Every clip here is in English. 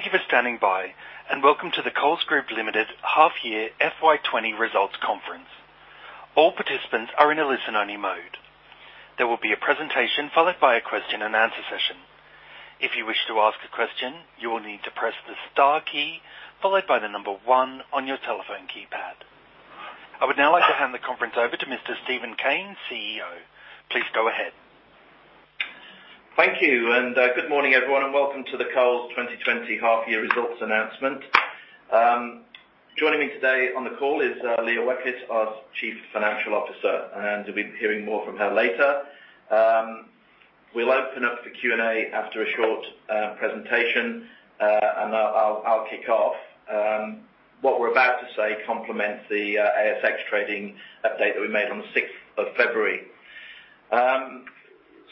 Thank you for standing by, and welcome to the Coles Group Limited half-year FY20 results conference. All participants are in a listen-only mode. There will be a presentation followed by a question-and-answer session. If you wish to ask a question, you will need to press the star key followed by the number one on your telephone keypad. I would now like to hand the conference over to Mr. Steven Cain, CEO. Please go ahead. Thank you, and good morning, everyone, and welcome to the Coles 2020 half-year results announcement. Joining me today on the call is Leah Weckert, our Chief Financial Officer, and we'll be hearing more from her later. We'll open up for Q&A after a short presentation, and I'll kick off. What we're about to say complements the ASX trading update that we made on the 6th of February.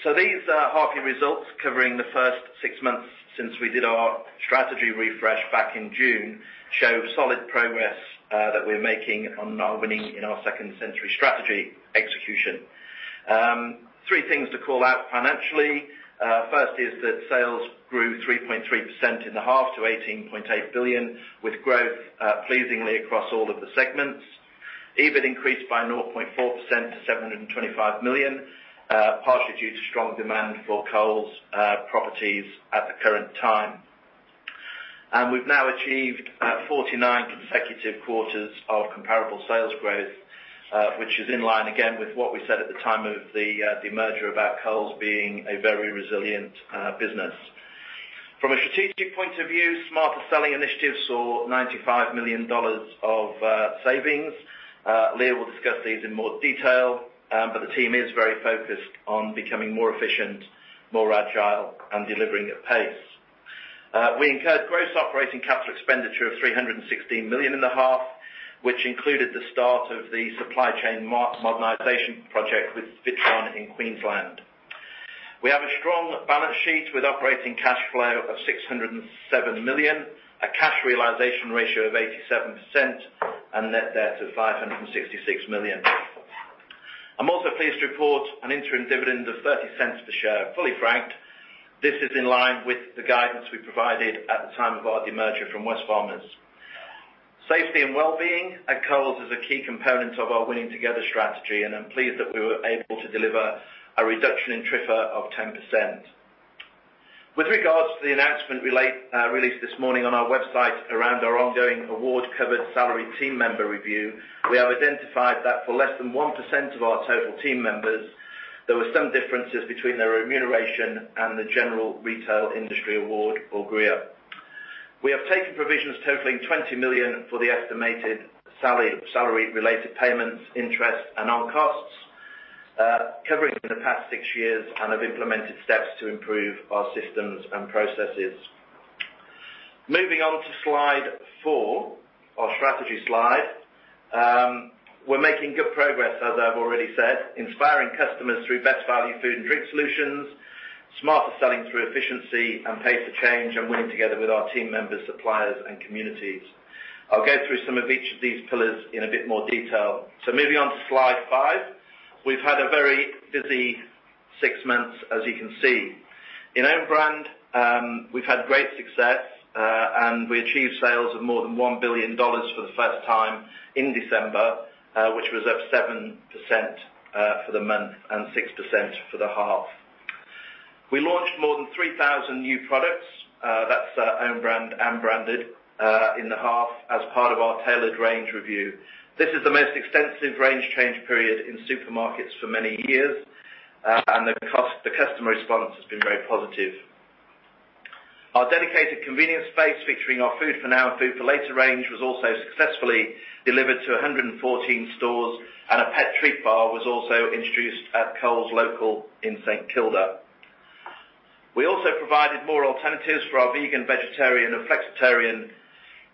So these half-year results covering the first six months since we did our strategy refresh back in June show solid progress that we're making on our winning in our second century strategy execution. Three things to call out financially. First is that sales grew 3.3% in the half to 18.8 billion, with growth pleasingly across all of the segments. EBIT increased by 0.4% to 725 million, partially due to strong demand for Coles properties at the current time. We've now achieved 49 consecutive quarters of comparable sales growth, which is in line again with what we said at the time of the merger about Coles being a very resilient business. From a strategic point of view, Smarter Selling initiatives saw $95 million of savings. Leah will discuss these in more detail, but the team is very focused on becoming more efficient, more agile, and delivering at pace. We incurred gross operating capital expenditure of $316 million in the half, which included the start of the supply chain modernization project with Witron in Queensland. We have a strong balance sheet with operating cash flow of $607 million, a cash realization ratio of 87%, and net debt of $566 million. I'm also pleased to report an interim dividend of $0.30 per share, fully franked. This is in line with the guidance we provided at the time of our demerger from Wesfarmers. Safety and well-being at Coles is a key component of our Winning Together strategy, and I'm pleased that we were able to deliver a reduction in TRIFR of 10%. With regards to the announcement released this morning on our website around our ongoing award-covered salary team member review, we have identified that for less than 1% of our total team members, there were some differences between their remuneration and the general retail industry award or GRIA. We have taken provisions totaling 20 million for the estimated salary-related payments, interest, and on-costs covering the past six years, and have implemented steps to improve our systems and processes. Moving on to slide four, our strategy slide, we're making good progress, as I've already said, inspiring customers through best value food and drink solutions, smarter selling through efficiency and pace of change, and winning together with our team members, suppliers, and communities. I'll go through some of each of these pillars in a bit more detail. So moving on to slide five, we've had a very busy six months, as you can see. In own brand, we've had great success, and we achieved sales of more than 1 billion dollars for the first time in December, which was up 7% for the month and 6% for the half. We launched more than 3,000 new products, that's own brand and branded, in the half as part of our tailored range review. This is the most extensive range change period in supermarkets for many years, and the customer response has been very positive. Our dedicated convenience space featuring our Food for Now and Food for Later range was also successfully delivered to 114 stores, and a pet treat bar was also introduced at Coles Local in St Kilda. We also provided more alternatives for our vegan, vegetarian, and flexitarian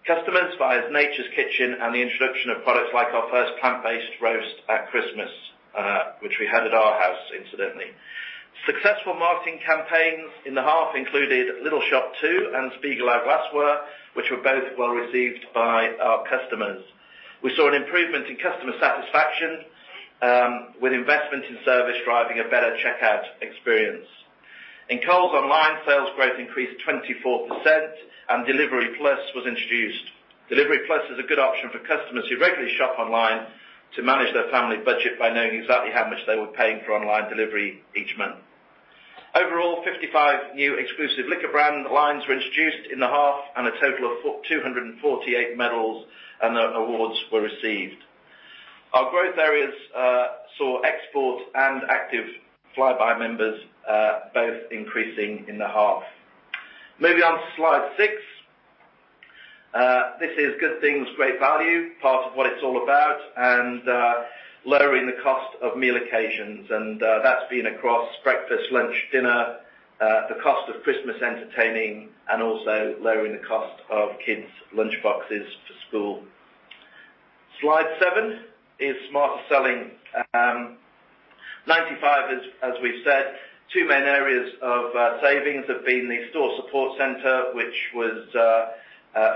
customers via Nature's Kitchen and the introduction of products like our first plant-based roast at Christmas, which we had at our house, incidentally. Successful marketing campaigns in the half included Little Shop 2 and Spiegelau Glassware, which were both well received by our customers. We saw an improvement in customer satisfaction, with investment in service driving a better checkout experience. In Coles Online, sales growth increased 24%, and Delivery Plus was introduced. Delivery Plus is a good option for customers who regularly shop online to manage their family budget by knowing exactly how much they were paying for online delivery each month. Overall, 55 new exclusive liquor brand lines were introduced in the half, and a total of 248 medals and awards were received. Our growth areas saw export and active Flybuys members both increasing in the half. Moving on to slide six, this is Good Things, Great Value, part of what it's all about, and lowering the cost of meal occasions. That's been across breakfast, lunch, dinner, the cost of Christmas entertaining, and also lowering the cost of kids' lunchboxes for school. Slide seven is Smarter Selling. 95, as we've said, two main areas of savings have been the store support center, which was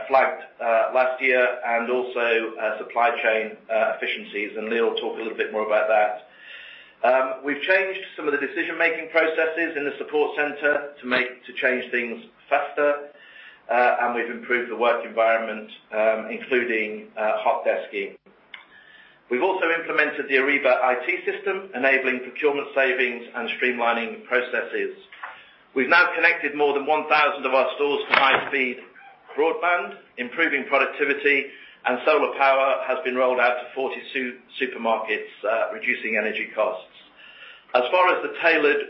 flagged last year, and also supply chain efficiencies. Leah will talk a little bit more about that. We've changed some of the decision-making processes in the support center to change things faster, and we've improved the work environment, including hot desking. We've also implemented the Ariba IT system, enabling procurement savings and streamlining processes. We've now connected more than 1,000 of our stores to high-speed broadband, improving productivity, and solar power has been rolled out to 42 supermarkets, reducing energy costs. As far as the tailored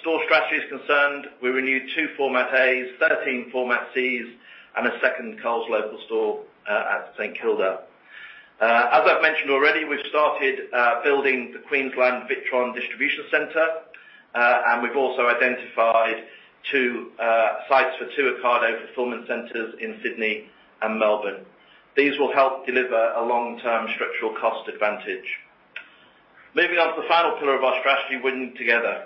store strategy is concerned, we renewed two Format As, 13 Format Cs, and a second Coles Local store at St Kilda. As I've mentioned already, we've started building the Queensland Witron Distribution Center, and we've also identified two sites for Ocado fulfillment centers in Sydney and Melbourne. These will help deliver a long-term structural cost advantage. Moving on to the final pillar of our strategy, Winning Together.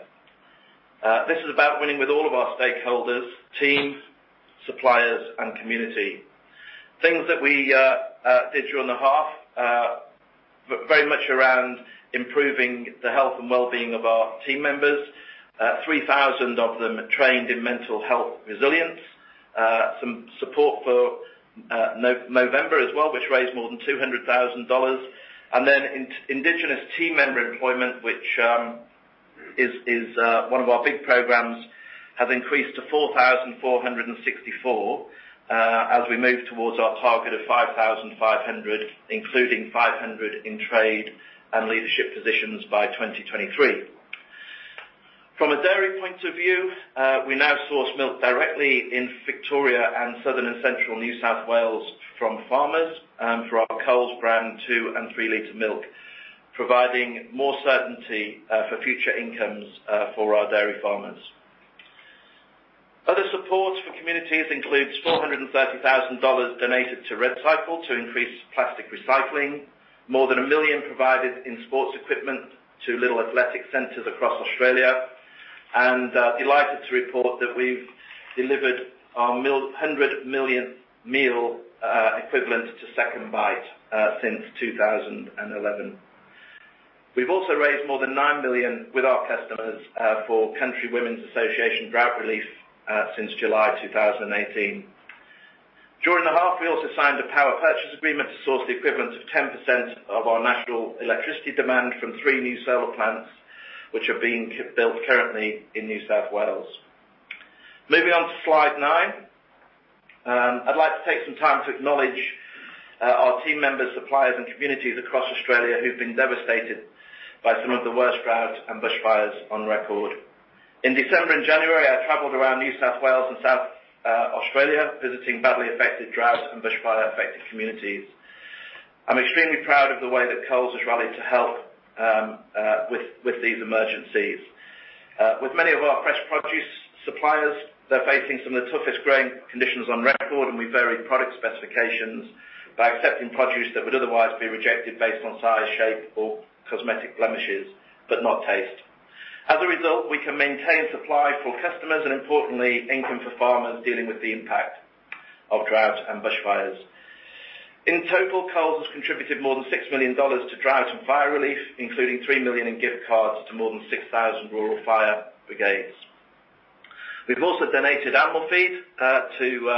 This is about winning with all of our stakeholders: team, suppliers, and community. Things that we did during the half were very much around improving the health and well-being of our team members. 3,000 of them trained in mental health resilience, some support for Movember as well, which raised more than 200,000 dollars. And then indigenous team member employment, which is one of our big programs, has increased to 4,464 as we move towards our target of 5,500, including 500 in trade and leadership positions by 2023. From a dairy point of view, we now source milk directly in Victoria and southern and central New South Wales from farmers for our Coles brand two and three-liter milk, providing more certainty for future incomes for our dairy farmers. Other support for communities includes 430,000 dollars donated to REDcycle to increase plastic recycling, more than a million provided in sports equipment to little athletic centers across Australia, and delighted to report that we've delivered our 100 million meal equivalent to SecondBite since 2011. We've also raised more than nine million with our customers for Country Women's Association drought relief since July 2018. During the half, we also signed a power purchase agreement to source the equivalent of 10% of our national electricity demand from three new solar plants, which are being built currently in New South Wales. Moving on to slide nine, I'd like to take some time to acknowledge our team members, suppliers, and communities across Australia who've been devastated by some of the worst drought and bushfires on record. In December and January, I traveled around New South Wales and South Australia, visiting badly affected drought and bushfire-affected communities. I'm extremely proud of the way that Coles has rallied to help with these emergencies. With many of our fresh produce suppliers, they're facing some of the toughest growing conditions on record, and we vary product specifications by accepting produce that would otherwise be rejected based on size, shape, or cosmetic blemishes, but not taste. As a result, we can maintain supply for customers and, importantly, income for farmers dealing with the impact of drought and bushfires. In total, Coles has contributed more than 6 million dollars to drought and fire relief, including three million in gift cards to more than 6,000 rural fire brigades. We've also donated animal feed to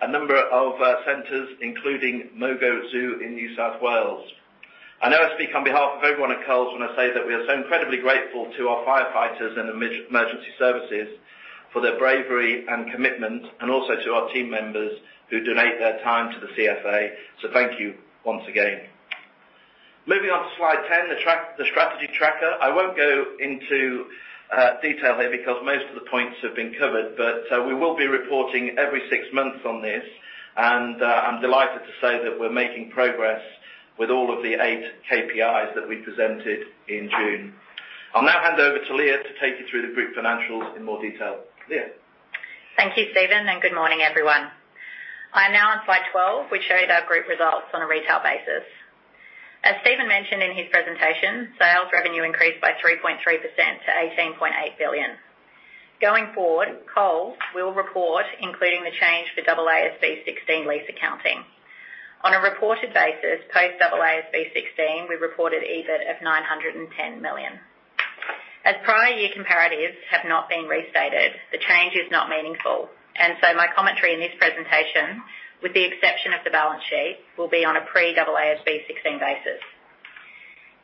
a number of centers, including Mogo Zoo in New South Wales. I know I speak on behalf of everyone at Coles when I say that we are so incredibly grateful to our firefighters and emergency services for their bravery and commitment, and also to our team members who donate their time to the CFA. Thank you once again. Moving on to slide 10, the strategy tracker. I won't go into detail here because most of the points have been covered, but we will be reporting every six months on this, and I'm delighted to say that we're making progress with all of the eight KPIs that we presented in June. I'll now hand over to Leah to take you through the group financials in more detail. Leah. Thank you, Steven, and good morning, everyone. I'm now on slide 12, which shows our group results on a retail basis. As Steven mentioned in his presentation, sales revenue increased by 3.3% to 18.8 billion. Going forward, Coles will report, including the change to AASB 16 lease accounting. On a reported basis, post AASB 16, we reported EBIT of 910 million. As prior year comparatives have not been restated, the change is not meaningful, and so my commentary in this presentation, with the exception of the balance sheet, will be on a pre-AASB 16 basis.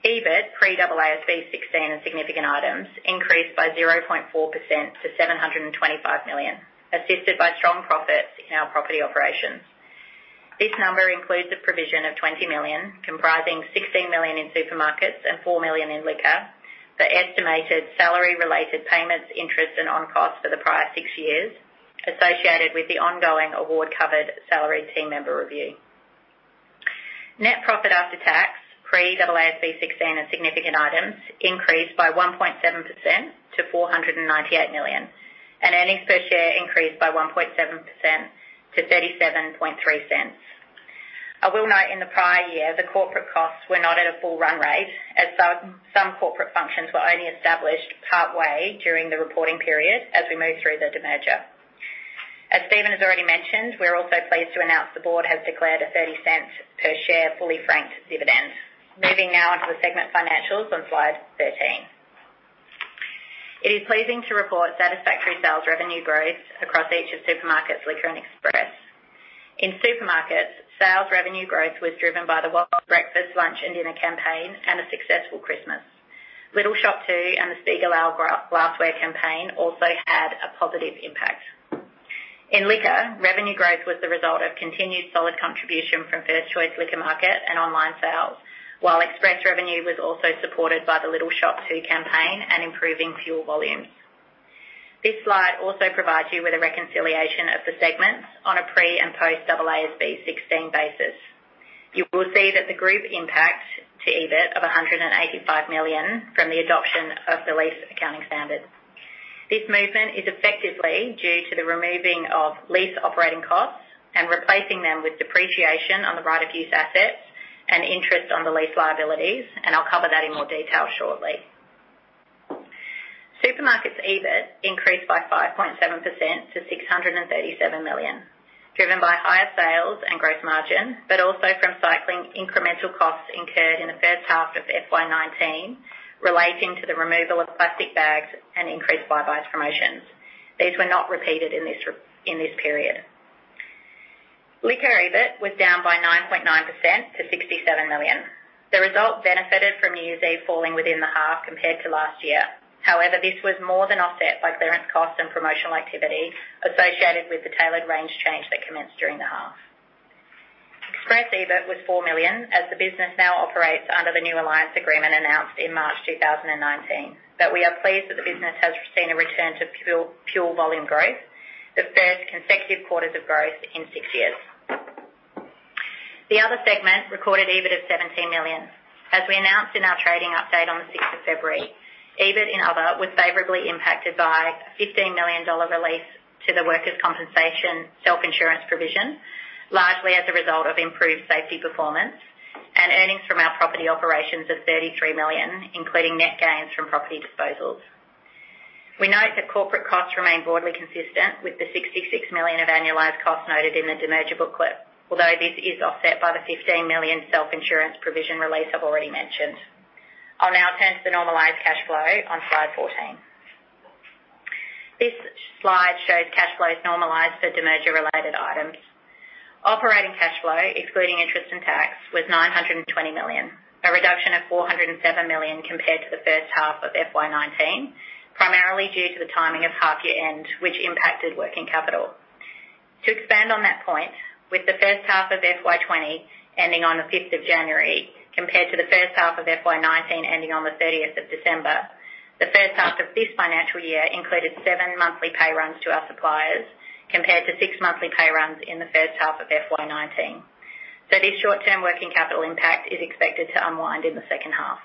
EBIT pre-AASB 16 and significant items increased by 0.4% to 725 million, assisted by strong profits in our property operations. This number includes a provision of 20 million, comprising 16 million in supermarkets and 4 million in liquor, for estimated salary-related payments, interest, and on-costs for the prior six years, associated with the ongoing award-covered salary team member review. Net profit after tax pre-AASB 16 and significant items increased by 1.7% to 498 million, and earnings per share increased by 1.7% to 0.373. I will note in the prior year, the corporate costs were not at a full run rate, as some corporate functions were only established partway during the reporting period as we move through the demerger. As Steven has already mentioned, we're also pleased to announce the board has declared a 0.30 per share fully franked dividend. Moving now on to the segment financials on slide 13. It is pleasing to report satisfactory sales revenue growth across each of supermarkets, liquor, and express. In supermarkets, sales revenue growth was driven by the Wellness breakfast, lunch, and dinner campaign and a successful Christmas. Little Shop 2 and the Spiegelau Glassware campaign also had a positive impact. In liquor, revenue growth was the result of continued solid contribution from First Choice Liquor Market and online sales, while express revenue was also supported by the Little Shop 2 campaign and improving fuel volumes. This slide also provides you with a reconciliation of the segments on a pre- and post-AASB 16 basis. You will see that the group impact to EBIT of 185 million from the adoption of the lease accounting standard. This movement is effectively due to the removing of lease operating costs and replacing them with depreciation on the right-of-use assets and interest on the lease liabilities, and I'll cover that in more detail shortly. Supermarkets' EBIT increased by 5.7% to 637 million, driven by higher sales and gross margin, but also from cycling incremental costs incurred in the first half of FY19 relating to the removal of plastic bags and increased buy-back promotions. These were not repeated in this period. Liquor EBIT was down by 9.9% to 67 million. The result benefited from no softening within the half compared to last year. However, this was more than offset by clearance costs and promotional activity associated with the tailored range change that commenced during the half. Express EBIT was 4 million, as the business now operates under the new alliance agreement announced in March 2019, but we are pleased that the business has seen a return to pure volume growth, the first consecutive quarters of growth in six years. The other segment recorded EBIT of 17 million. As we announced in our trading update on the 6th of February, EBIT in other was favorably impacted by a 15 million dollar relief to the workers' compensation self-insurance provision, largely as a result of improved safety performance and earnings from our property operations of 33 million, including net gains from property disposals. We note that corporate costs remain broadly consistent with the 66 million of annualized costs noted in the demerger booklet, although this is offset by the 15 million self-insurance provision release I've already mentioned. I'll now turn to the normalized cash flow on slide 14. This slide shows cash flows normalized for demerger-related items. Operating cash flow, excluding interest and tax, was 920 million, a reduction of 407 million compared to the first half of FY 2019, primarily due to the timing of half-year end, which impacted working capital. To expand on that point, with the first half of FY20 ending on the 5th of January compared to the first half of FY19 ending on the 30th of December, the first half of this financial year included seven monthly pay runs to our suppliers compared to six monthly pay runs in the first half of FY19. So this short-term working capital impact is expected to unwind in the second half.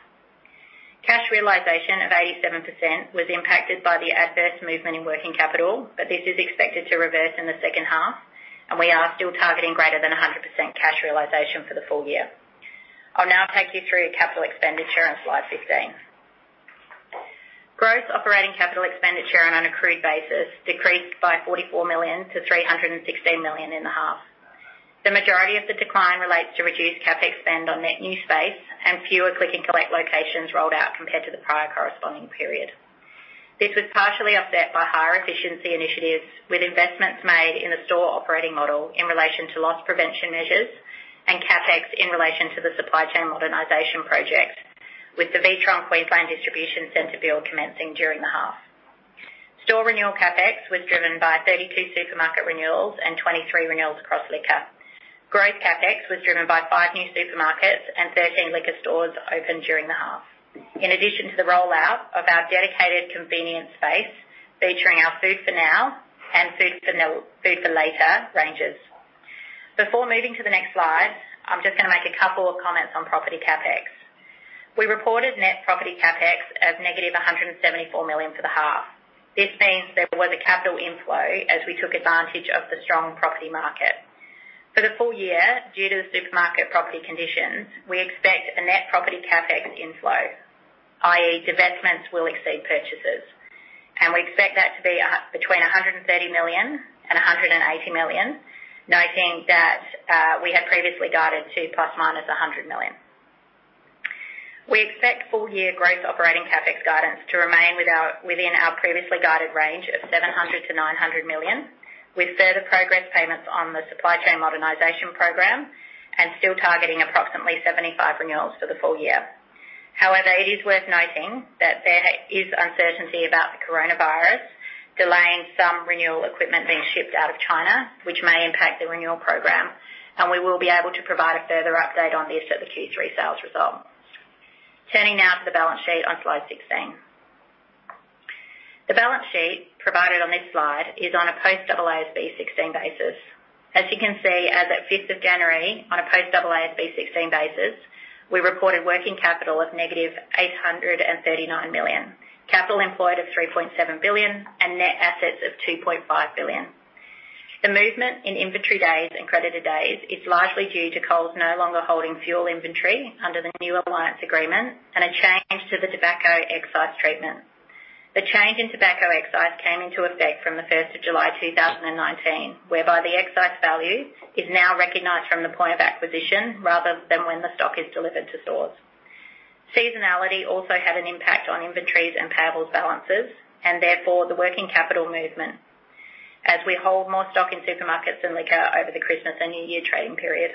Cash realization of 87% was impacted by the adverse movement in working capital, but this is expected to reverse in the second half, and we are still targeting greater than 100% cash realization for the full year. I'll now take you through capital expenditure on slide 15. Gross operating capital expenditure on an accrued basis decreased by AUD 44 million-AUD 316 million in the half. The majority of the decline relates to reduced CapEx spend on net new space and fewer click-and-collect locations rolled out compared to the prior corresponding period. This was partially offset by higher efficiency initiatives with investments made in the store operating model in relation to loss prevention measures and CapEx in relation to the supply chain modernization project, with the Witron Queensland Distribution Center build commencing during the half. Store renewal CapEx was driven by 32 supermarket renewals and 23 renewals across liquor. Gross CapEx was driven by five new supermarkets and 13 liquor stores opened during the half, in addition to the rollout of our dedicated convenience space featuring our Food for Now and Food for Later ranges. Before moving to the next slide, I'm just going to make a couple of comments on property CapEx. We reported net property CapEx as negative 174 million for the half. This means there was a capital inflow as we took advantage of the strong property market. For the full year, due to the supermarket property conditions, we expect a net property Capex inflow, i.e., divestments will exceed purchases, and we expect that to be between 130 million and 180 million, noting that we had previously guided to plus/minus 100 million. We expect full-year gross operating Capex guidance to remain within our previously guided range of 700 million-900 million, with further progress payments on the supply chain modernization program and still targeting approximately 75 renewals for the full year. However, it is worth noting that there is uncertainty about the coronavirus delaying some renewal equipment being shipped out of China, which may impact the renewal program, and we will be able to provide a further update on this at the Q3 sales result. Turning now to the balance sheet on slide 16. The balance sheet provided on this slide is on a post-AASB 16 basis. As you can see, as of 5th of January, on a post-AASB 16 basis, we reported working capital of negative 839 million, capital employed of 3.7 billion, and net assets of 2.5 billion. The movement in inventory days and creditor days is largely due to Coles no longer holding fuel inventory under the new alliance agreement and a change to the tobacco excise treatment. The change in tobacco excise came into effect from the 1st of July 2019, whereby the excise value is now recognized from the point of acquisition rather than when the stock is delivered to stores. Seasonality also had an impact on inventories and payables balances and, therefore, the working capital movement, as we hold more stock in supermarkets and liquor over the Christmas and New Year trading period.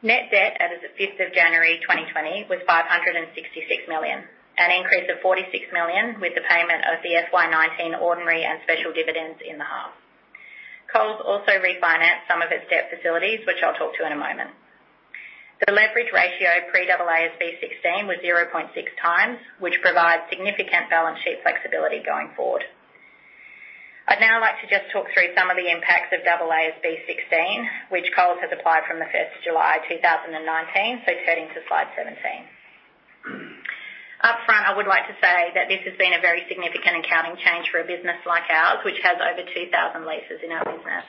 Net debt as of 5th of January 2020 was 566 million, an increase of 46 million with the payment of the FY19 ordinary and special dividends in the half. Coles also refinanced some of its debt facilities, which I'll talk to in a moment. The leverage ratio pre-AASB 16 was 0.6 times, which provides significant balance sheet flexibility going forward. I'd now like to just talk through some of the impacts of AASB 16, which Coles has applied from the 1st of July 2019, so turning to slide 17. Upfront, I would like to say that this has been a very significant accounting change for a business like ours, which has over 2,000 leases in our business.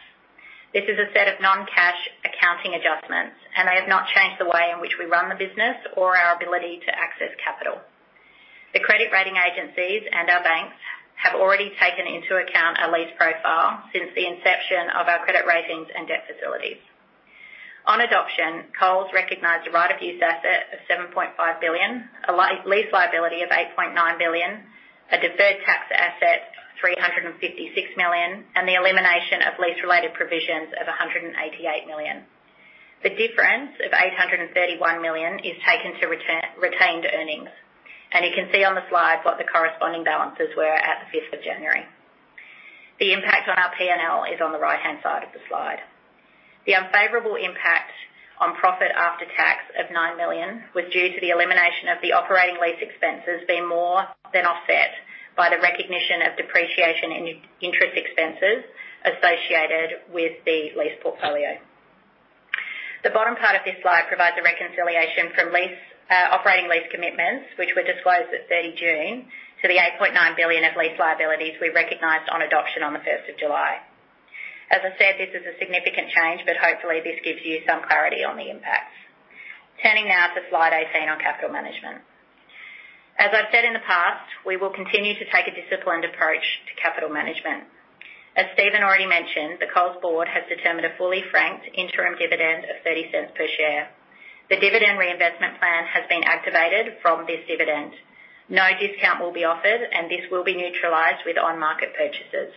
This is a set of non-cash accounting adjustments, and they have not changed the way in which we run the business or our ability to access capital. The credit rating agencies and our banks have already taken into account our lease profile since the inception of our credit ratings and debt facilities. On adoption, Coles recognized a right-of-use asset of AUD 7.5 billion, a lease liability of AUD 8.9 billion, a deferred tax asset of AUD 356 million, and the elimination of lease-related provisions of AUD 188 million. The difference of AUD 831 million is taken to retained earnings, and you can see on the slide what the corresponding balances were at the 5th of January. The impact on our P&L is on the right-hand side of the slide. The unfavorable impact on profit after tax of 9 million was due to the elimination of the operating lease expenses being more than offset by the recognition of depreciation and interest expenses associated with the lease portfolio. The bottom part of this slide provides a reconciliation from operating lease commitments, which were disclosed at 30 June, to the 8.9 billion of lease liabilities we recognized on adoption on the 1st of July. As I said, this is a significant change, but hopefully this gives you some clarity on the impacts. Turning now to slide 18 on capital management. As I've said in the past, we will continue to take a disciplined approach to capital management. As Steven already mentioned, the Coles Board has determined a fully franked interim dividend of 0.30 per share. The dividend reinvestment plan has been activated from this dividend. No discount will be offered, and this will be neutralized with on-market purchases.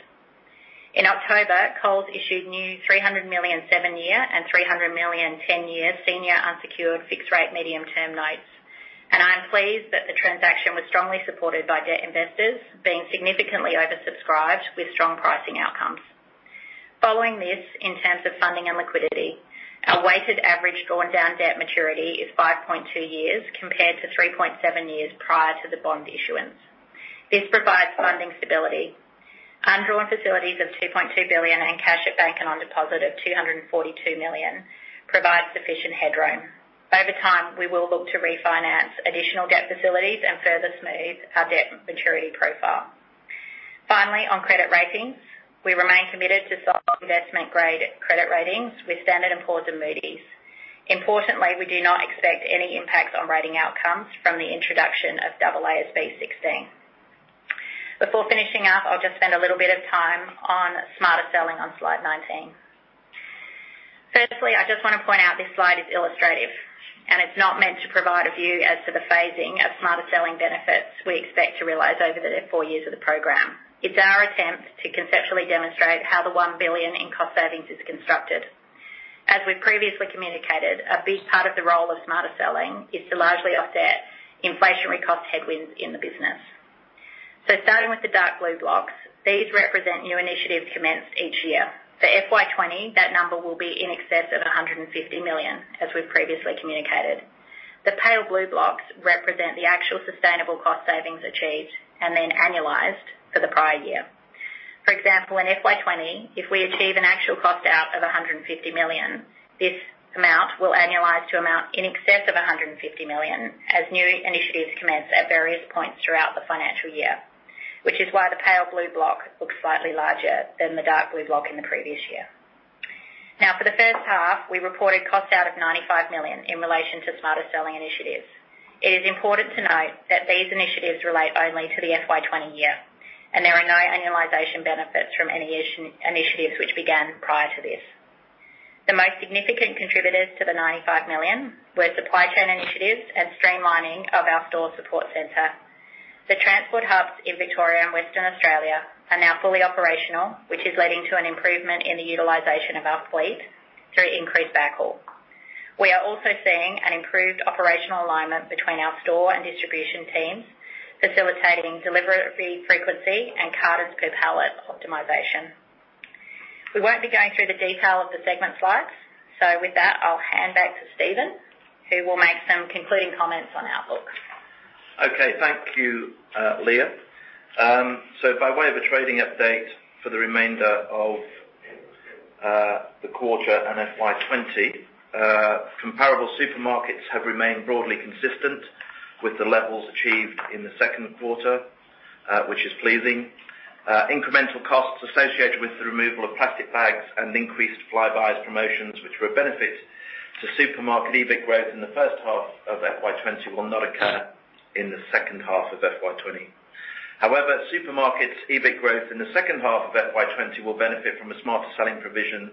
In October, Coles issued new 300 million seven-year and 300 million 10-year senior unsecured fixed-rate medium-term notes, and I am pleased that the transaction was strongly supported by debt investors being significantly oversubscribed with strong pricing outcomes. Following this, in terms of funding and liquidity, our weighted average drawn-down debt maturity is 5.2 years compared to 3.7 years prior to the bond issuance. This provides funding stability. Undrawn facilities of 2.2 billion and cash at bank and on deposit of 242 million provide sufficient headroom. Over time, we will look to refinance additional debt facilities and further smooth our debt maturity profile. Finally, on credit ratings, we remain committed to solid investment-grade credit ratings with Standard & Poor's to Moody's. Importantly, we do not expect any impacts on rating outcomes from the introduction of AASB 16. Before finishing up, I'll just spend a little bit of time on smarter selling on slide 19. Firstly, I just want to point out this slide is illustrative, and it's not meant to provide a view as to the phasing of smarter selling benefits we expect to realize over the four years of the program. It's our attempt to conceptually demonstrate how the 1 billion in cost savings is constructed. As we've previously communicated, a big part of the role of smarter selling is to largely offset inflationary cost headwinds in the business. So starting with the dark blue blocks, these represent new initiatives commenced each year. For FY 20, that number will be in excess of 150 million, as we've previously communicated. The pale blue blocks represent the actual sustainable cost savings achieved and then annualized for the prior year. For example, in FY20, if we achieve an actual cost out of 150 million, this amount will annualize to an amount in excess of 150 million as new initiatives commence at various points throughout the financial year, which is why the pale blue block looks slightly larger than the dark blue block in the previous year. Now, for the first half, we reported cost out of 95 million in relation to Smarter Selling initiatives. It is important to note that these initiatives relate only to the FY20 year, and there are no annualization benefits from any initiatives which began prior to this. The most significant contributors to the 95 million were supply chain initiatives and streamlining of our store support center. The transport hubs in Victoria and Western Australia are now fully operational, which is leading to an improvement in the utilization of our fleet through increased backhaul. We are also seeing an improved operational alignment between our store and distribution teams, facilitating delivery frequency and cartons per pallet optimization. We won't be going through the detail of the segment slides, so with that, I'll hand back to Steven, who will make some concluding comments on Outlook. Okay, thank you, Leah. So by way of a trading update for the remainder of the quarter and FY20, comparable supermarkets have remained broadly consistent with the levels achieved in the second quarter, which is pleasing. Incremental costs associated with the removal of plastic bags and increased Flybuys promotions, which were a benefit to supermarket EBIT growth in the first half of FY20, will not occur in the second half of FY20. However, supermarkets' EBIT growth in the second half of FY20 will benefit from a Smarter Selling provision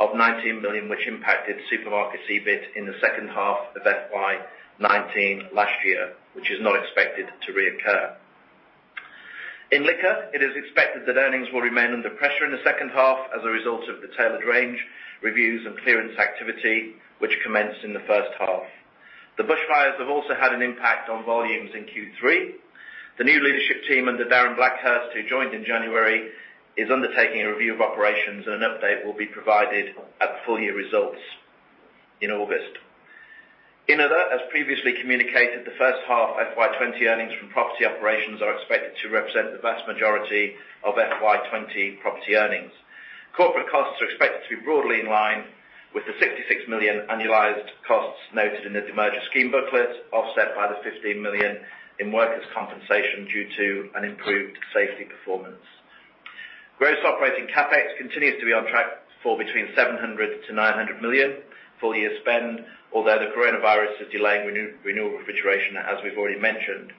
of 19 million, which impacted supermarkets' EBIT in the second half of FY19 last year, which is not expected to reoccur. In liquor, it is expected that earnings will remain under pressure in the second half as a result of the Tailored Range Reviews and clearance activity, which commenced in the first half. The bushfires have also had an impact on volumes in Q3. The new leadership team under Darren Blackhurst, who joined in January, is undertaking a review of operations, and an update will be provided at the full-year results in August. In other, as previously communicated, the first half FY20 earnings from property operations are expected to represent the vast majority of FY20 property earnings. Corporate costs are expected to be broadly in line with the 66 million annualized costs noted in the merger scheme booklet, offset by the 15 million in workers' compensation due to an improved safety performance. Gross operating Capex continues to be on track for between 700 million-900 million full-year spend, although the coronavirus is delaying renewal refrigeration, as we've already mentioned.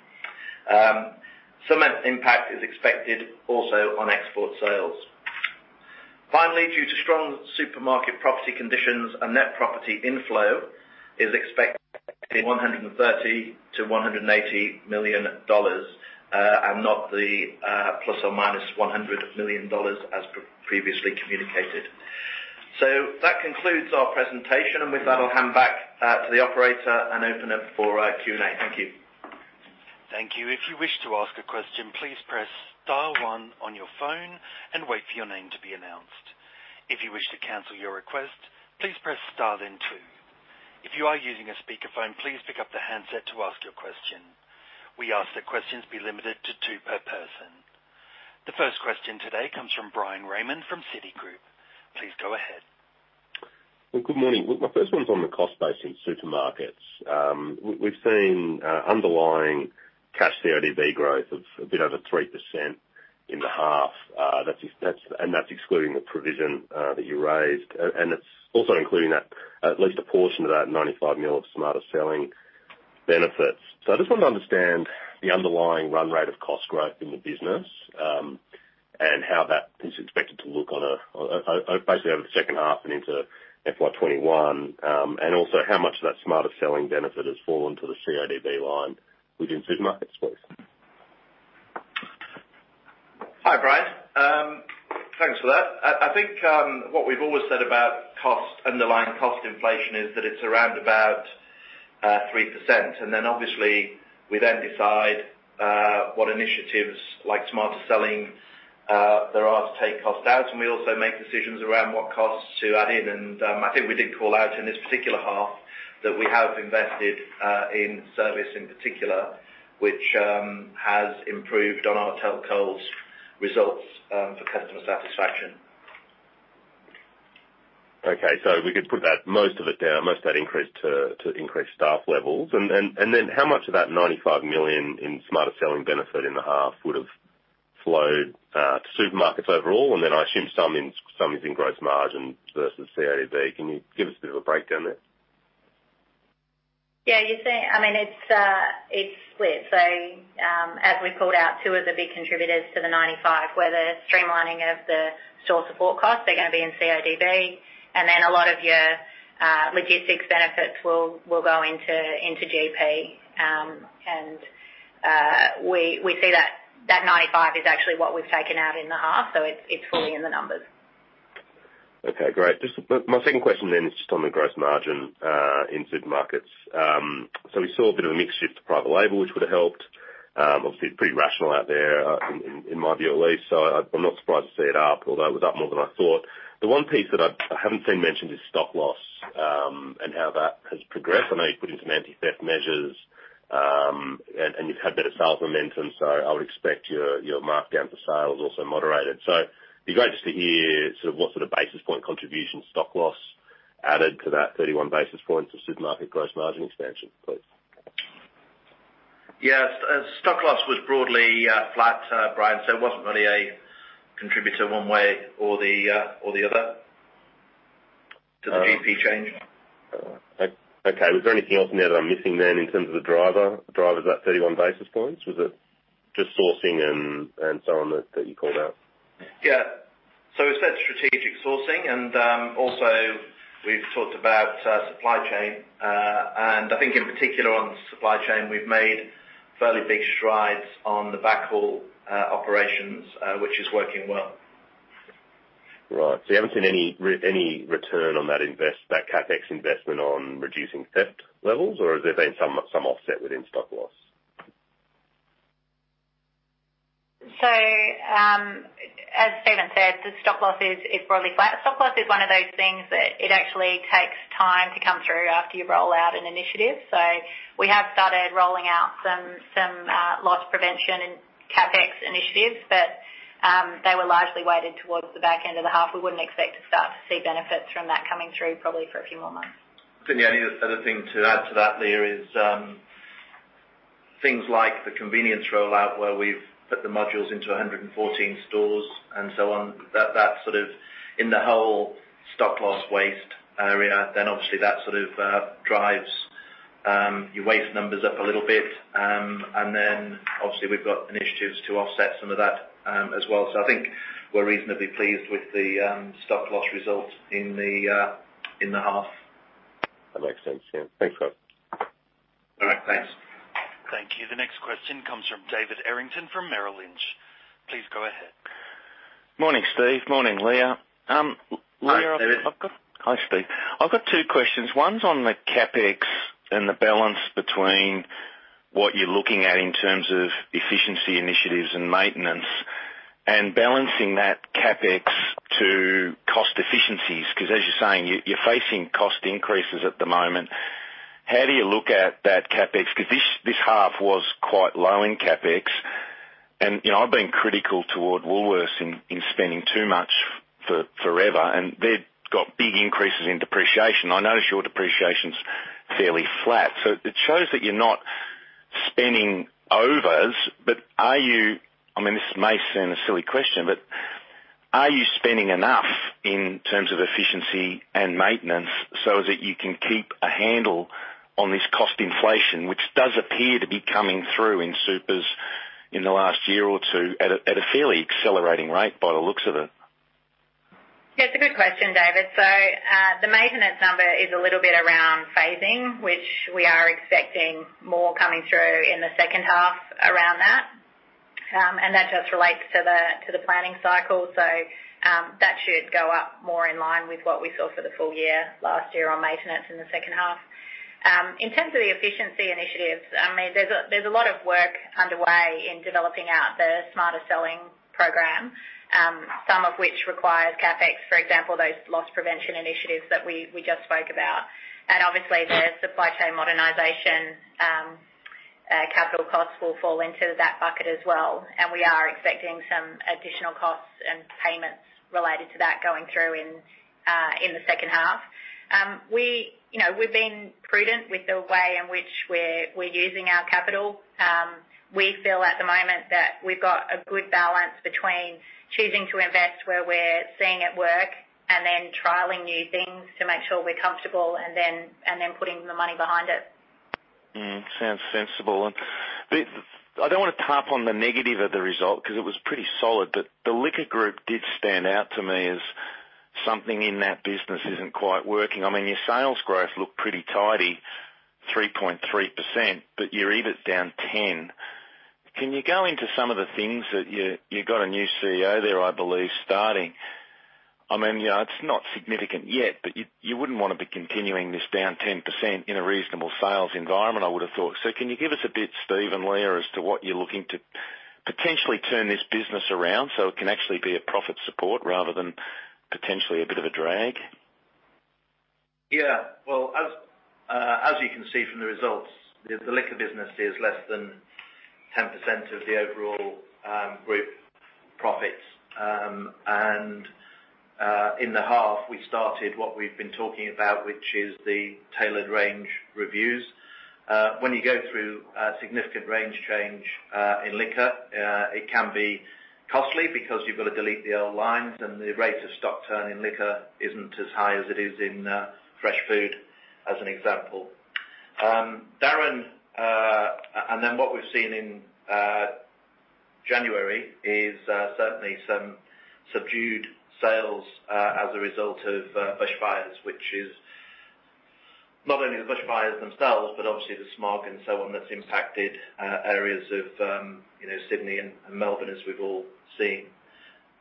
Some impact is expected also on export sales. Finally, due to strong supermarket property conditions, a net property inflow is expected to be 130 million to AUD 180 million and not the plus or minus AUD 100 million, as previously communicated. So that concludes our presentation, and with that, I'll hand back to the operator and open up for Q&A. Thank you. Thank you. If you wish to ask a question, please press Star 1 on your phone and wait for your name to be announced. If you wish to cancel your request, please press Star then 2. If you are using a speakerphone, please pick up the handset to ask your question. We ask that questions be limited to two per person. The first question today comes from Bryan Raymond from Citigroup. Please go ahead. Good morning. My first one's on the cost basis in supermarkets. We've seen underlying cash CODB growth of a bit over 3% in the half, and that's excluding the provision that you raised, and it's also including at least a portion of that 95 million of Smarter Selling benefits. So I just want to understand the underlying run rate of cost growth in the business and how that is expected to look basically over the second half and into FY21, and also how much of that Smarter Selling benefit has fallen to the CODB line within supermarkets, please. Hi, Brian. Thanks for that. I think what we've always said about underlying cost inflation is that it's around about 3%, and then obviously we then decide what initiatives like Smarter Selling there are to take cost out, and we also make decisions around what costs to add in. And I think we did call out in this particular half that we have invested in service in particular, which has improved on our Tell Coles results for customer satisfaction. Okay, so we could put that most of it down, most of that increase to increase staff levels. And then how much of that 95 million in Smarter Selling benefit in the half would have flowed to supermarkets overall? And then I assume some is in gross margin versus CODB. Can you give us a bit of a breakdown there? Yeah, I mean, it's split. So as we've called out, two of the big contributors to the 95 were the streamlining of the store support costs. They're going to be in CODB, and then a lot of your logistics benefits will go into GP, and we see that that 95 is actually what we've taken out in the half, so it's fully in the numbers. Okay, great. My second question then is just on the gross margin in supermarkets. So we saw a bit of a mixed shift to private label, which would have helped. Obviously, it's pretty rational out there, in my view at least, so I'm not surprised to see it up, although it was up more than I thought. The one piece that I haven't seen mentioned is stock loss and how that has progressed. I know you've put in some anti-theft measures, and you've had better sales momentum, so I would expect your markdown for sales also moderated. So it'd be great just to hear sort of what sort of basis point contribution stock loss added to that 31 basis points of supermarket gross margin expansion, please. Yeah, stock loss was broadly flat, Brian, so it wasn't really a contributor one way or the other to the GP change. Okay, was there anything else in there that I'm missing then in terms of the driver? The driver's that 31 basis points? Was it just sourcing and so on that you called out? Yeah, so it's that strategic sourcing, and also we've talked about supply chain, and I think in particular on supply chain, we've made fairly big strides on the backhaul operations, which is working well. Right, so you haven't seen any return on that CapEx investment on reducing theft levels, or has there been some offset within stock loss? So as Steven said, the stock loss is broadly flat. Stock loss is one of those things that it actually takes time to come through after you roll out an initiative. So we have started rolling out some loss prevention and CapEx initiatives, but they were largely weighted towards the back end of the half. We wouldn't expect to start to see benefits from that coming through probably for a few more months. Yeah, I need a third thing to add to that, Leah, is things like the convenience rollout where we've put the modules into 114 stores and so on. That sort of in the whole stock loss waste area, then obviously that sort of drives your waste numbers up a little bit, and then obviously we've got initiatives to offset some of that as well. So I think we're reasonably pleased with the stock loss results in the half. That makes sense, yeah. Thanks, folks. All right, thanks. Thank you. The next question comes from David Errington from Merrill Lynch. Please go ahead. Morning, Steve. Morning, Leah. Hi, David. Hi, Steve. I've got two questions. One's on the CapEx and the balance between what you're looking at in terms of efficiency initiatives and maintenance and balancing that CapEx to cost efficiencies, because as you're saying, you're facing cost increases at the moment. How do you look at that CapEx? Because this half was quite low in CapEx, and I've been critical toward Woolworths in spending too much forever, and they've got big increases in depreciation. I noticed your depreciation's fairly flat, so it shows that you're not spending overs, but are you—I mean, this may sound a silly question—but are you spending enough in terms of efficiency and maintenance so that you can keep a handle on this cost inflation, which does appear to be coming through in supers in the last year or two at a fairly accelerating rate by the looks of it? Yeah, it's a good question, David. So the maintenance number is a little bit around phasing, which we are expecting more coming through in the second half around that, and that just relates to the planning cycle, so that should go up more in line with what we saw for the full year last year on maintenance in the second half. In terms of the efficiency initiatives, I mean, there's a lot of work underway in developing out the Smarter Selling program, some of which requires CapEx, for example, those loss prevention initiatives that we just spoke about, and obviously the supply chain modernization capital costs will fall into that bucket as well, and we are expecting some additional costs and payments related to that going through in the second half. We've been prudent with the way in which we're using our capital. We feel at the moment that we've got a good balance between choosing to invest where we're seeing it work and then trialing new things to make sure we're comfortable and then putting the money behind it. Sounds sensible. I don't want to dwell on the negative of the result because it was pretty solid, but the liquor group did stand out to me as something in that business isn't quite working. I mean, your sales growth looked pretty tidy, 3.3%, but your EBIT down 10%. Can you go into some of the things that you've got a new CEO there, I believe, starting? I mean, it's not significant yet, but you wouldn't want to be continuing this down 10% in a reasonable sales environment, I would have thought. So can you give us a bit, Steven, Leah, as to what you're looking to potentially turn this business around so it can actually be a profit support rather than potentially a bit of a drag? Yeah, well, as you can see from the results, the liquor business is less than 10% of the overall group profits, and in the half, we started what we've been talking about, which is the tailored range reviews. When you go through significant range change in liquor, it can be costly because you've got to delete the old lines, and the rate of stock turn in liquor isn't as high as it is in fresh food, as an example. Darren and then what we've seen in January is certainly some subdued sales as a result of bushfires, which is not only the bushfires themselves, but obviously the smog and so on that's impacted areas of Sydney and Melbourne, as we've all seen.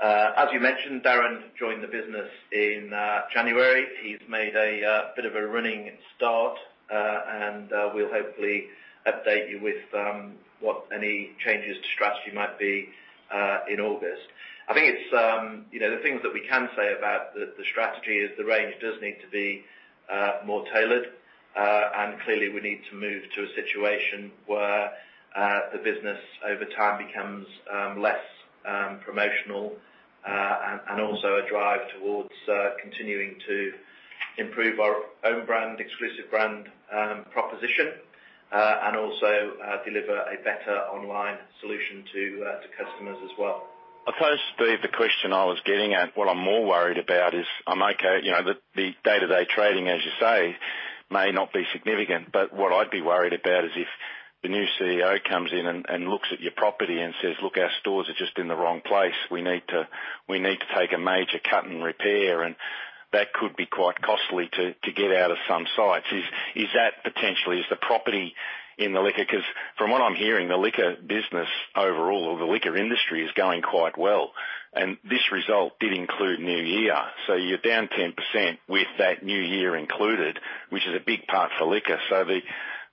As you mentioned, Darren joined the business in January. He's made a bit of a running start, and we'll hopefully update you with what any changes to strategy might be in August. I think the things that we can say about the strategy is the range does need to be more tailored, and clearly we need to move to a situation where the business over time becomes less promotional and also a drive towards continuing to improve our own brand, exclusive brand proposition, and also deliver a better online solution to customers as well. I suppose the question I was getting at, what I'm more worried about is, I'm okay, the day-to-day trading, as you say, may not be significant, but what I'd be worried about is if the new CEO comes in and looks at your property and says, "Look, our stores are just in the wrong place. We need to take a major cut and repair," and that could be quite costly to get out of some sites. Is that potentially—is the property in the liquor? Because from what I'm hearing, the liquor business overall, or the liquor industry, is going quite well, and this result did include New Year, so you're down 10% with that New Year included, which is a big part for liquor,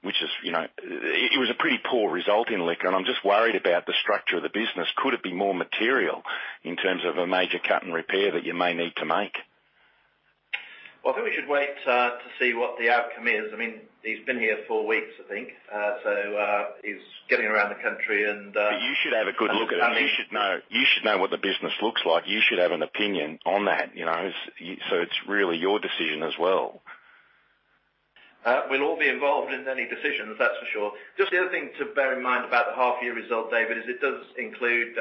which is—it was a pretty poor result in liquor, and I'm just worried about the structure of the business. Could it be more material in terms of a major cut and repair that you may need to make? Well, I think we should wait to see what the outcome is. I mean, he's been here four weeks, I think, so he's getting around the country and. But you should have a good look at it. You should know what the business looks like. You should have an opinion on that, so it's really your decision as well. We'll all be involved in any decisions, that's for sure. Just the other thing to bear in mind about the half-year result, David, is it does include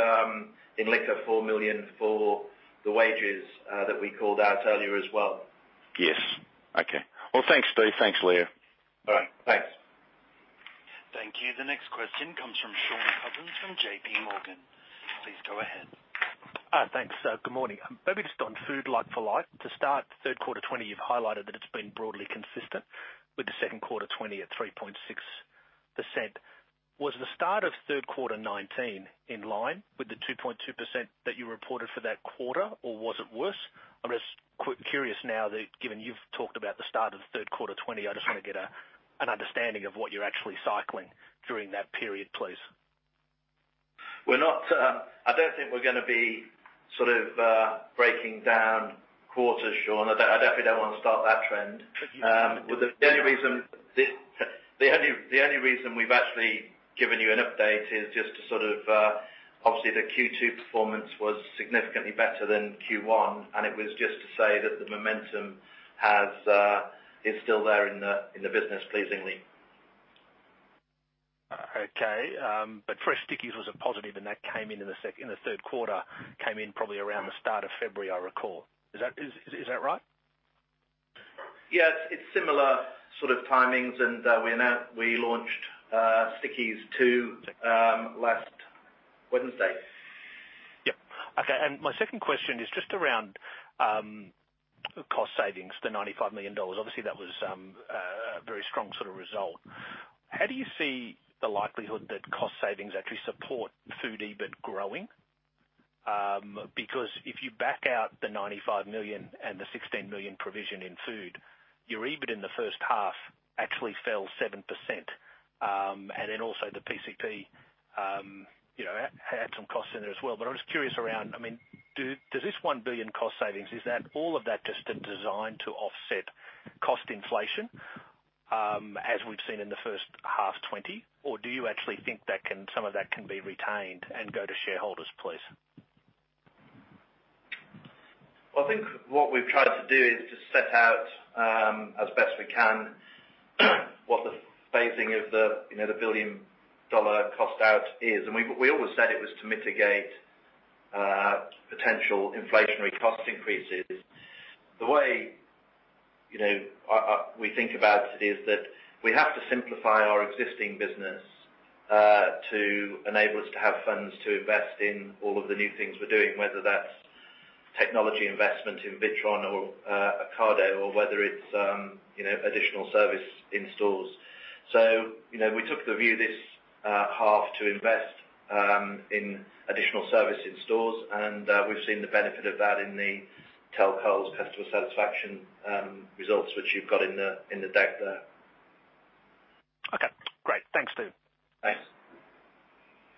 in liquor 4 million for the wages that we called out earlier as well. Yes. Okay. Well, thanks, Steve. Thanks, Leah. All right. Thanks. Thank you. The next question comes from Shaun Cousins from JP Morgan. Please go ahead. Hi, thanks. Good morning. Maybe just on Food Like-for-Like. To start, third quarter 2020, you've highlighted that it's been broadly consistent with the second quarter 2020 at 3.6%. Was the start of third quarter 2019 in line with the 2.2% that you reported for that quarter, or was it worse? I'm just curious now that given you've talked about the start of third quarter 2020, I just want to get an understanding of what you're actually cycling during that period, please. We're not. I don't think we're going to be sort of breaking down quarters, Sean. I definitely don't want to start that trend. The only reason we've actually given you an update is just to sort of, obviously, the Q2 performance was significantly better than Q1, and it was just to say that the momentum is still there in the business, pleasingly. Okay, but Fresh Stikeez was a positive, and that came in in the third quarter, came in probably around the start of February, I recall. Is that right? Yeah, it's similar sort of timings, and we launched Stikeez 2 last Wednesday. Yep. Okay, and my second question is just around cost savings, the 95 million dollars. Obviously, that was a very strong sort of result. How do you see the likelihood that cost savings actually support food EBIT growing? Because if you back out the 95 million and the 16 million provision in food, your EBIT in the first half actually fell 7%, and then also the PCP had some costs in there as well. I'm just curious around. I mean, does this 1 billion cost savings—is that all of that just a design to offset cost inflation as we've seen in the first half 2020, or do you actually think that some of that can be retained and go to shareholders, please? Well, I think what we've tried to do is to set out as best we can what the phasing of the 1-billion-dollar cost out is, and we always said it was to mitigate potential inflationary cost increases. The way we think about it is that we have to simplify our existing business to enable us to have funds to invest in all of the new things we're doing, whether that's technology investment in Witron or Ocado, or whether it's additional service in stores. So we took the view this half to invest in additional service in stores, and we've seen the benefit of that in the Tell Coles customer satisfaction results which you've got in the deck there. Okay. Great. Thanks, Steve. Thanks.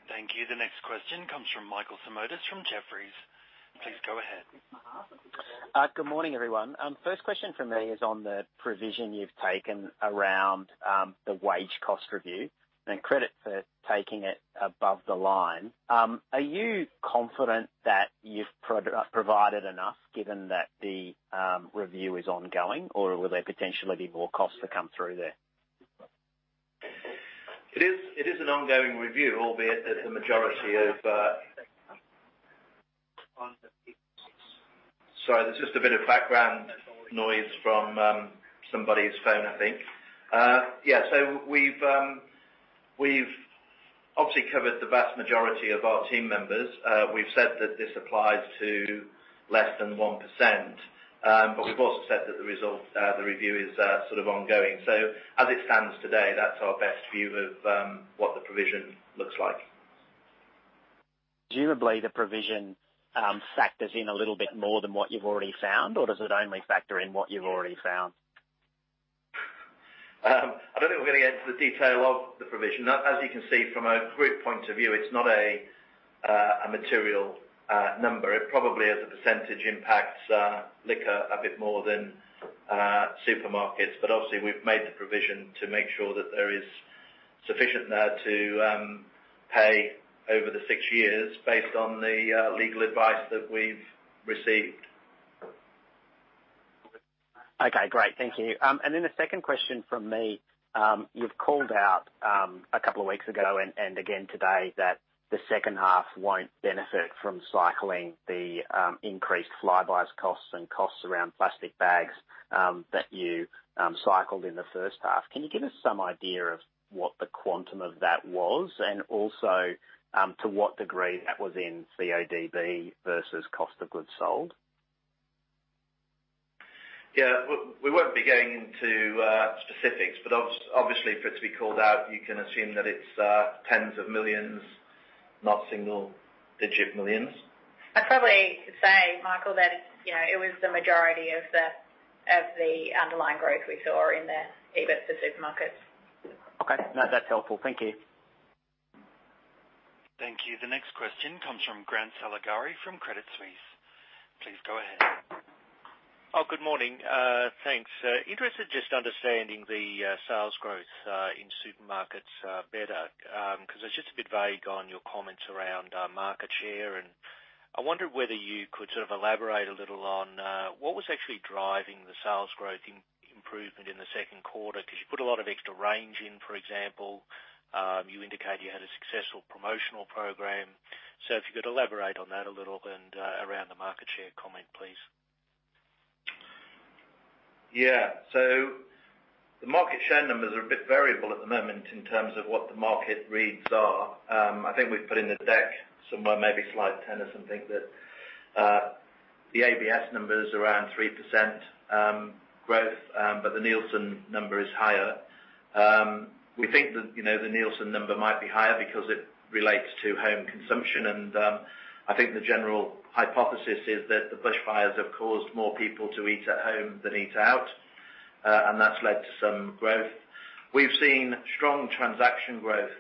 Thank you. The next question comes from Michael Simotas from Jefferies. Please go ahead. Good morning, everyone. First question for me is on the provision you've taken around the wage cost review and credit for taking it above the line. Are you confident that you've provided enough given that the review is ongoing, or will there potentially be more costs to come through there? It is an ongoing review, albeit there's a majority of. Sorry, there's just a bit of background noise from somebody's phone, I think. Yeah, so we've obviously covered the vast majority of our team members. We've said that this applies to less than 1%, but we've also said that the review is sort of ongoing. So as it stands today, that's our best view of what the provision looks like. Presumably, the provision factors in a little bit more than what you've already found, or does it only factor in what you've already found? I don't think we're going to get into the detail of the provision. As you can see, from a group point of view, it's not a material number. It probably, as a percentage, impacts liquor a bit more than supermarkets, but obviously, we've made the provision to make sure that there is sufficient there to pay over the six years based on the legal advice that we've received. Okay. Great. Thank you. And then the second question from me, you've called out a couple of weeks ago and again today that the second half won't benefit from cycling the increased Flybuys costs and costs around plastic bags that you cycled in the first half. Can you give us some idea of what the quantum of that was and also to what degree that was in CODB versus cost of goods sold? Yeah, we won't be going into specifics, but obviously, for it to be called out, you can assume that it's tens of millions, not single-digit millions. I'd probably say, Michael, that it was the majority of the underlying growth we saw in the EBIT for supermarkets. Okay. No, that's helpful. Thank you. Thank you. The next question comes from Grant Saligari from Credit Suisse. Please go ahead. Oh, good morning. Thanks. interested just understanding the sales growth in supermarkets better because it's just a bit vague on your comments around market share, and I wondered whether you could sort of elaborate a little on what was actually driving the sales growth improvement in the second quarter because you put a lot of extra range in, for example. You indicated you had a successful promotional program. So if you could elaborate on that a little bit around the market share comment, please. Yeah. So the market share numbers are a bit variable at the moment in terms of what the market reads are. I think we've put in the deck somewhere, maybe slide 10 or something, that the ABS number is around 3% growth, but the Nielsen number is higher. We think that the Nielsen number might be higher because it relates to home consumption, and I think the general hypothesis is that the bushfires have caused more people to eat at home than eat out, and that's led to some growth. We've seen strong transaction growth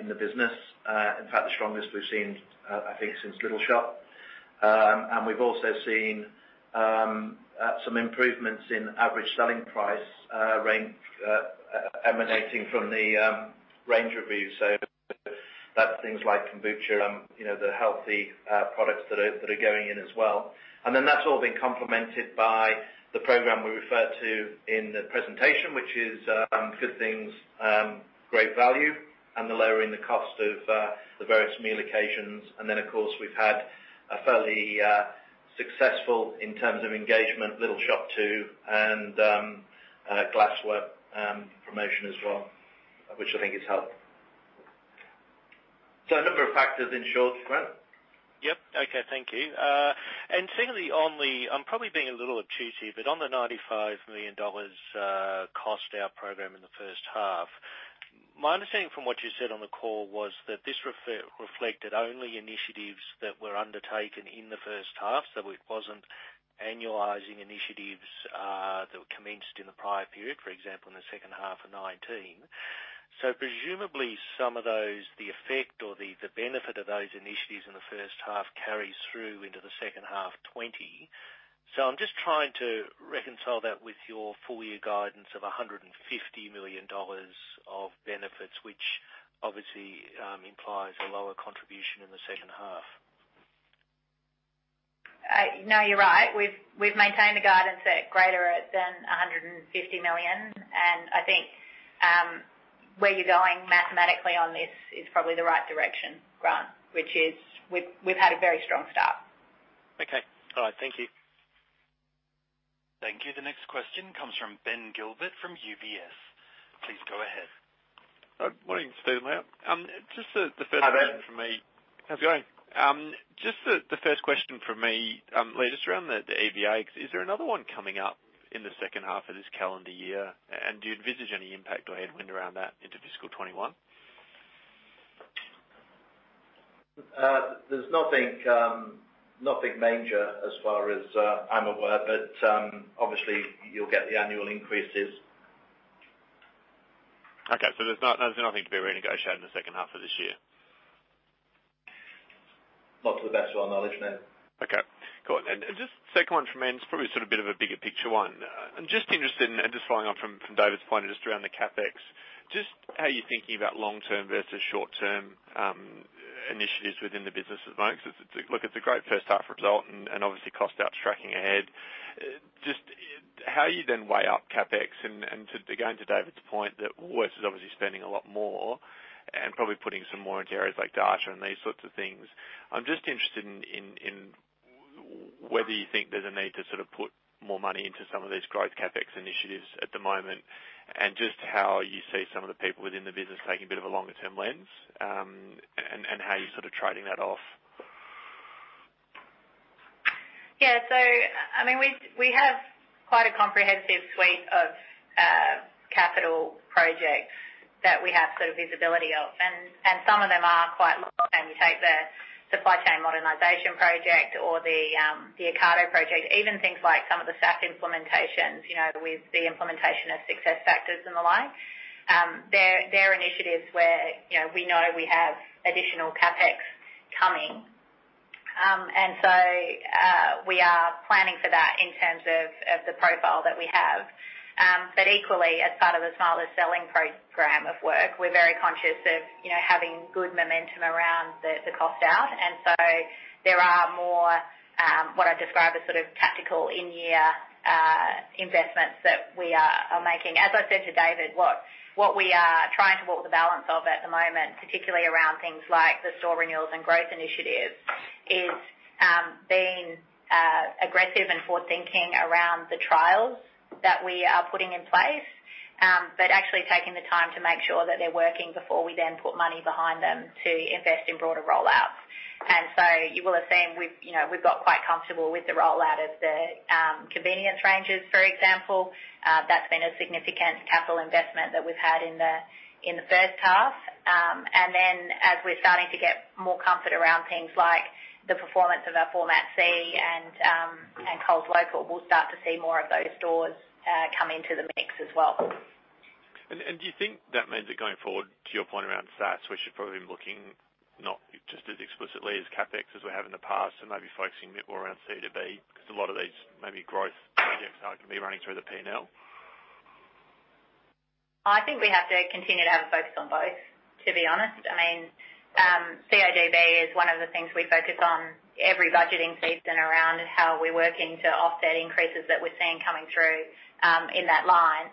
in the business. In fact, the strongest we've seen, I think, since Little Shop. And we've also seen some improvements in average selling price emanating from the range review, so that's things like kombucha, the healthy products that are going in as well. And then that's all been complemented by the program we referred to in the presentation, which is Good Things, Great Value, and the lowering the cost of the various meal occasions. And then, of course, we've had a fairly successful, in terms of engagement, Little Shop 2 and Glassware promotion as well, which I think has helped. So a number of factors in short, right? Yep. Okay. Thank you. And secondly, on the, I'm probably being a little obtuse here, but on the 95 million dollars cost out program in the first half, my understanding from what you said on the call was that this reflected only initiatives that were undertaken in the first half, so it wasn't annualizing initiatives that were commenced in the prior period, for example, in the second half of 2019. So presumably, some of the effect or the benefit of those initiatives in the first half carries through into the second half 2020. So I'm just trying to reconcile that with your full-year guidance of 150 million dollars of benefits, which obviously implies a lower contribution in the second half. No, you're right. We've maintained the guidance at greater than 150 million, and I think where you're going mathematically on this is probably the right direction, Grant, which is we've had a very strong start. Okay. All right. Thank you. Thank you. The next question comes from Ben Gilbert from UBS. Please go ahead. Morning, Steven. Just the first question for me, Hi, Ben. How's it going? Just the first question for me, Leah, just around the EBAs, is there another one coming up in the second half of this calendar year, and do you envisage any impact or headwind around that into fiscal 2021? There's nothing major as far as I'm aware, but obviously, you'll get the annual increases. Okay. So there's nothing to be renegotiated in the second half of this year? Not to the best of our knowledge, no. Okay. Cool. And just a second one from me, and it's probably sort of a bit of a bigger picture one. I'm just interested in—and just following up from David's point, just around the CapEx—just how you're thinking about long-term versus short-term initiatives within the business at the moment because it's a great first-half result and obviously cost out tracking ahead. Just how you then weigh up CapEx and, again, to David's point, that all of us are obviously spending a lot more and probably putting some more into areas like data and these sorts of things. I'm just interested in whether you think there's a need to sort of put more money into some of these growth CapEx initiatives at the moment and just how you see some of the people within the business taking a bit of a longer-term lens and how you're sort of trading that off. Yeah. I mean, we have quite a comprehensive suite of capital projects that we have sort of visibility of, and some of them are quite low. You take the supply chain modernization project or the Ocado project, even things like some of the SAP implementations with the implementation of SuccessFactors and the like. They're initiatives where we know we have additional CapEx coming, and so we are planning for that in terms of the profile that we have. But equally, as part of the Smarter Selling program of work, we're very conscious of having good momentum around the cost out, and so there are more what I describe as sort of tactical in-year investments that we are making. As I said to David, what we are trying to walk the balance of at the moment, particularly around things like the store renewals and growth initiatives, is being aggressive and forward-thinking around the trials that we are putting in place, but actually taking the time to make sure that they're working before we then put money behind them to invest in broader rollouts. And so you will have seen we've got quite comfortable with the rollout of the convenience ranges, for example. That's been a significant capital investment that we've had in the first half. And then, as we're starting to get more comfort around things like the performance of our Format C and Coles Local, we'll start to see more of those stores come into the mix as well. Do you think that means that going forward, to your point around Smarter Selling, we should probably be looking not just as explicitly as CapEx as we have in the past and maybe focusing a bit more around CODB because a lot of these maybe growth projects are going to be running through the P&L? I think we have to continue to have a focus on both, to be honest. I mean, CODB is one of the things we focus on every budgeting season around how we're working to offset increases that we're seeing coming through in that line.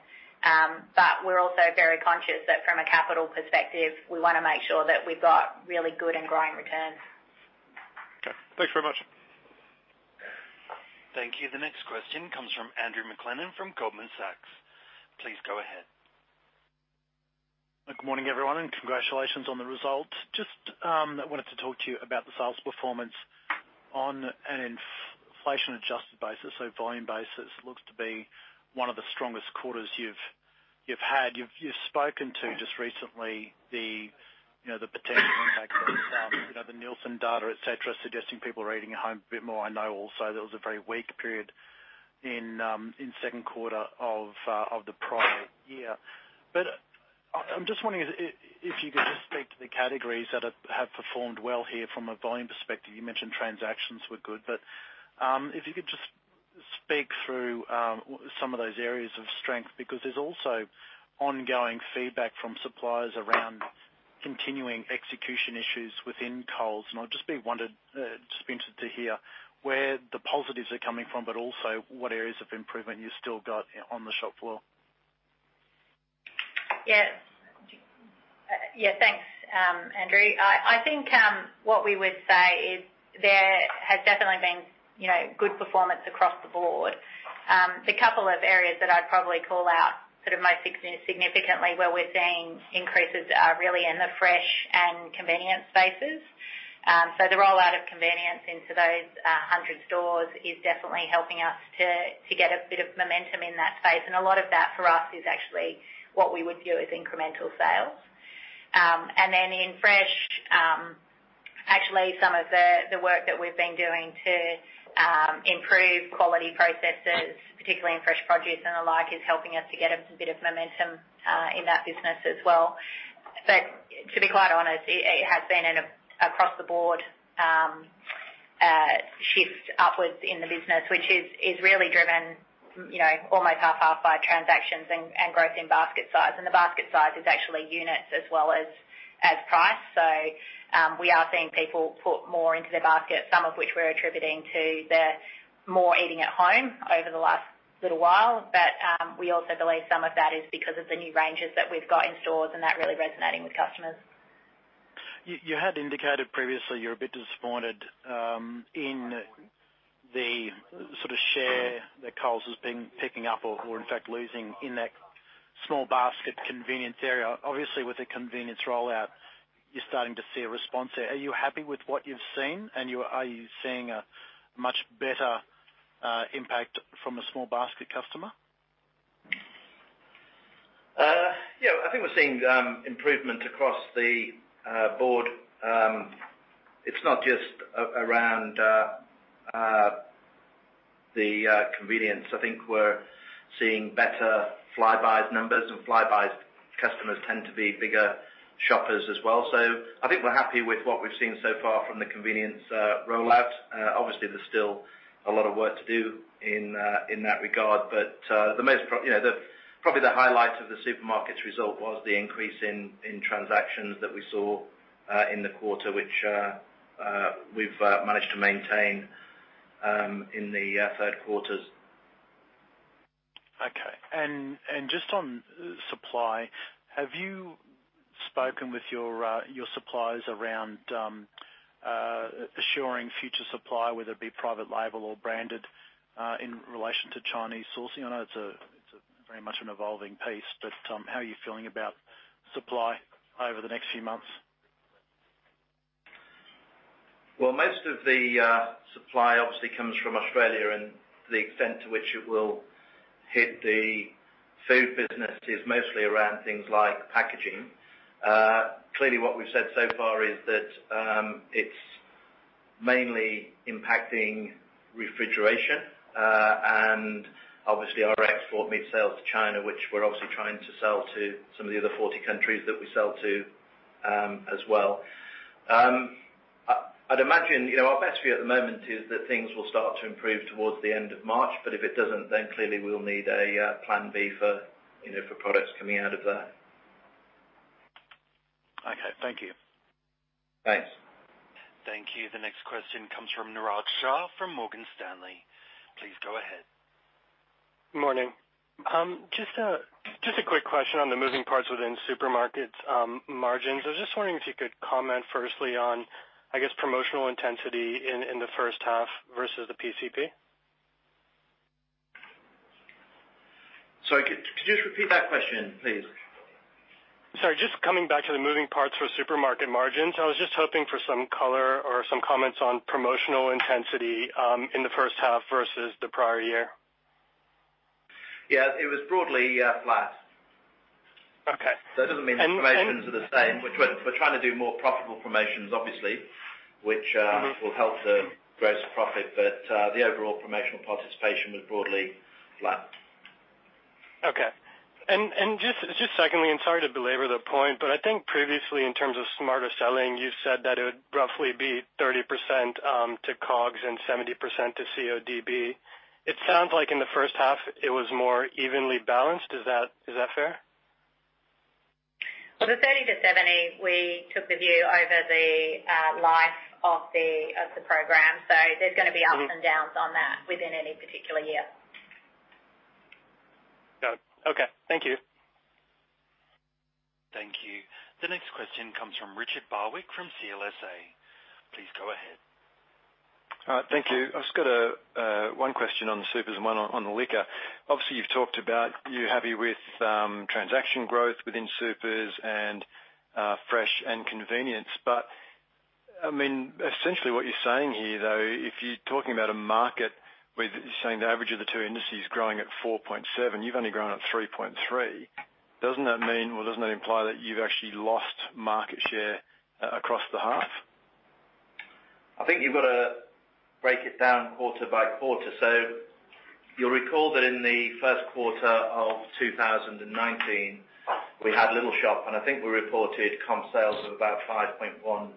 But we're also very conscious that from a capital perspective, we want to make sure that we've got really good and growing returns. Okay. Thanks very much. Thank you. The next question comes from Andrew McLennan from Goldman Sachs. Please go ahead. Good morning, everyone, and congratulations on the results. Just wanted to talk to you about the sales performance on an inflation-adjusted basis, so volume basis. It looks to be one of the strongest quarters you've had. You've spoken to just recently the potential impact of the Nielsen data, etc., suggesting people are eating at home a bit more. I know also there was a very weak period in second quarter of the prior year. But I'm just wondering if you could just speak to the categories that have performed well here from a volume perspective. You mentioned transactions were good, but if you could just speak through some of those areas of strength because there's also ongoing feedback from suppliers around continuing execution issues within Coles. And I'd just want to hear where the positives are coming from, but also what areas of improvement you've still got on the shop floor. Yeah. Yeah. Thanks, Andrew. I think what we would say is there has definitely been good performance across the board. The couple of areas that I'd probably call out sort of most significantly where we're seeing increases are really in the fresh and convenience spaces. So the rollout of convenience into those 100 stores is definitely helping us to get a bit of momentum in that space. And a lot of that for us is actually what we would view as incremental sales. And then in fresh, actually, some of the work that we've been doing to improve quality processes, particularly in fresh produce and the like, is helping us to get a bit of momentum in that business as well. But to be quite honest, it has been an across-the-board shift upwards in the business, which is really driven almost half-half by transactions and growth in basket size. And the basket size is actually units as well as price. So we are seeing people put more into their basket, some of which we're attributing to their more eating at home over the last little while. But we also believe some of that is because of the new ranges that we've got in stores and that really resonating with customers. You had indicated previously you're a bit disappointed in the sort of share that Coles has been picking up or, in fact, losing in that small basket convenience area. Obviously, with the convenience rollout, you're starting to see a response there. Are you happy with what you've seen, and are you seeing a much better impact from a small basket customer? Yeah. I think we're seeing improvement across the board. It's not just around the convenience. I think we're seeing better Flybuys numbers, and Flybuys customers tend to be bigger shoppers as well. So I think we're happy with what we've seen so far from the convenience rollout. Obviously, there's still a lot of work to do in that regard, but most probably the highlight of the supermarkets result was the increase in transactions that we saw in the quarter, which we've managed to maintain in the third quarter. Okay. And just on supply, have you spoken with your suppliers around assuring future supply, whether it be private label or branded, in relation to Chinese sourcing? I know it's very much an evolving piece, but how are you feeling about supply over the next few months? Well, most of the supply obviously comes from Australia, and the extent to which it will hit the food business is mostly around things like packaging. Clearly, what we've said so far is that it's mainly impacting refrigeration, and obviously, our export meat sales to China, which we're obviously trying to sell to some of the other 40 countries that we sell to as well. I'd imagine our best view at the moment is that things will start to improve towards the end of March, but if it doesn't, then clearly we'll need a plan B for products coming out of there. Okay. Thank you. Thanks. Thank you. The next question comes from Niraj Shah from Morgan Stanley. Please go ahead. Good morning. Just a quick question on the moving parts within supermarkets margins. I was just wondering if you could comment firstly on, I guess, promotional intensity in the first half versus the PCP. Sorry. Could you just repeat that question, please? Sorry. Just coming back to the moving parts for supermarket margins, I was just hoping for some color or some comments on promotional intensity in the first half versus the prior year. Yeah. It was broadly flat. So it doesn't mean the promotions are the same, which we're trying to do more profitable promotions, obviously, which will help the gross profit, but the overall promotional participation was broadly flat. Okay. And just secondly, and sorry to belabor the point, but I think previously, in terms of Smarter Selling, you said that it would roughly be 30% to COGS and 70% to CODB. It sounds like in the first half it was more evenly balanced. Is that fair? Well, the 30%-70%, we took the view over the life of the program. So there's going to be ups and downs on that within any particular year. Got it. Okay. Thank you. Thank you. The next question comes from Richard Barwick from CLSA. Please go ahead. All right. Thank you. I've just got one question on the supers and one on the liquor. Obviously, you've talked about you're happy with transaction growth within supers and fresh and convenience. But I mean, essentially what you're saying here, though, if you're talking about a market where you're saying the average of the two indices is growing at 4.7%, you've only grown at 3.3%. Doesn't that mean or doesn't that imply that you've actually lost market share across the half? I think you've got to break it down quarter by quarter. So you'll recall that in the first quarter of 2019, we had a Little Shop, and I think we reported comp sales of about 5.1%.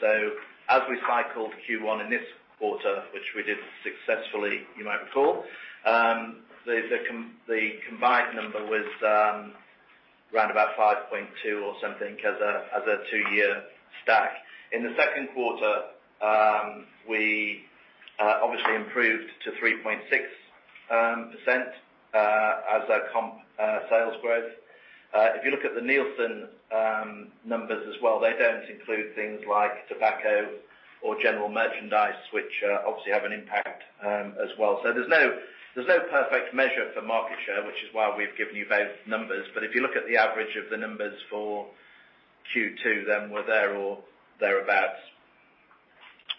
So, as we cycled Q1 in this quarter, which we did successfully, you might recall, the combined number was around about 5.2 or something as a two-year stack. In the second quarter, we obviously improved to 3.6% as a comp sales growth. If you look at the Nielsen numbers as well, they don't include things like tobacco or general merchandise, which obviously have an impact as well. So there's no perfect measure for market share, which is why we've given you both numbers. But if you look at the average of the numbers for Q2, then we're there or thereabouts.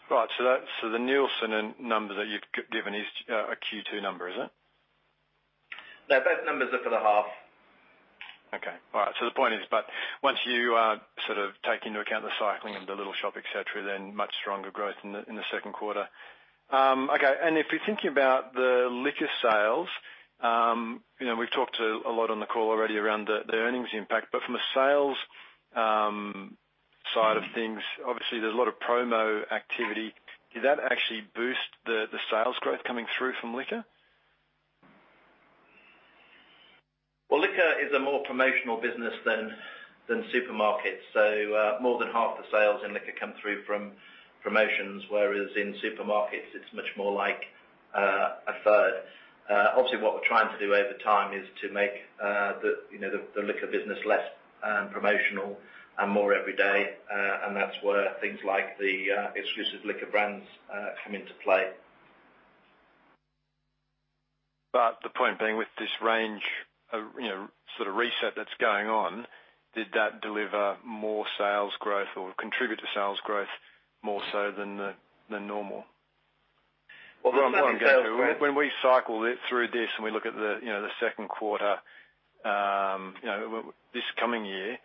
Right. So the Nielsen number that you've given is a Q2 number, is it? No, both numbers are for the half. Okay. All right. So the point is, but once you sort of take into account the cycling and the Little Shop, etc., then much stronger growth in the second quarter. Okay. And if you're thinking about the liquor sales, we've talked a lot on the call already around the earnings impact, but from a sales side of things, obviously, there's a lot of promo activity. Did that actually boost the sales growth coming through from liquor? Well, liquor is a more promotional business than supermarkets. So more than half the sales in liquor come through from promotions, whereas in supermarkets, it's much more like a third. Obviously, what we're trying to do over time is to make the liquor business less promotional and more everyday, and that's where things like the exclusive liquor brands come into play. But the point being, with this range sort of reset that's going on, did that deliver more sales growth or contribute to sales growth more so than normal? Well, when we cycle through this and we look at the second quarter this coming year,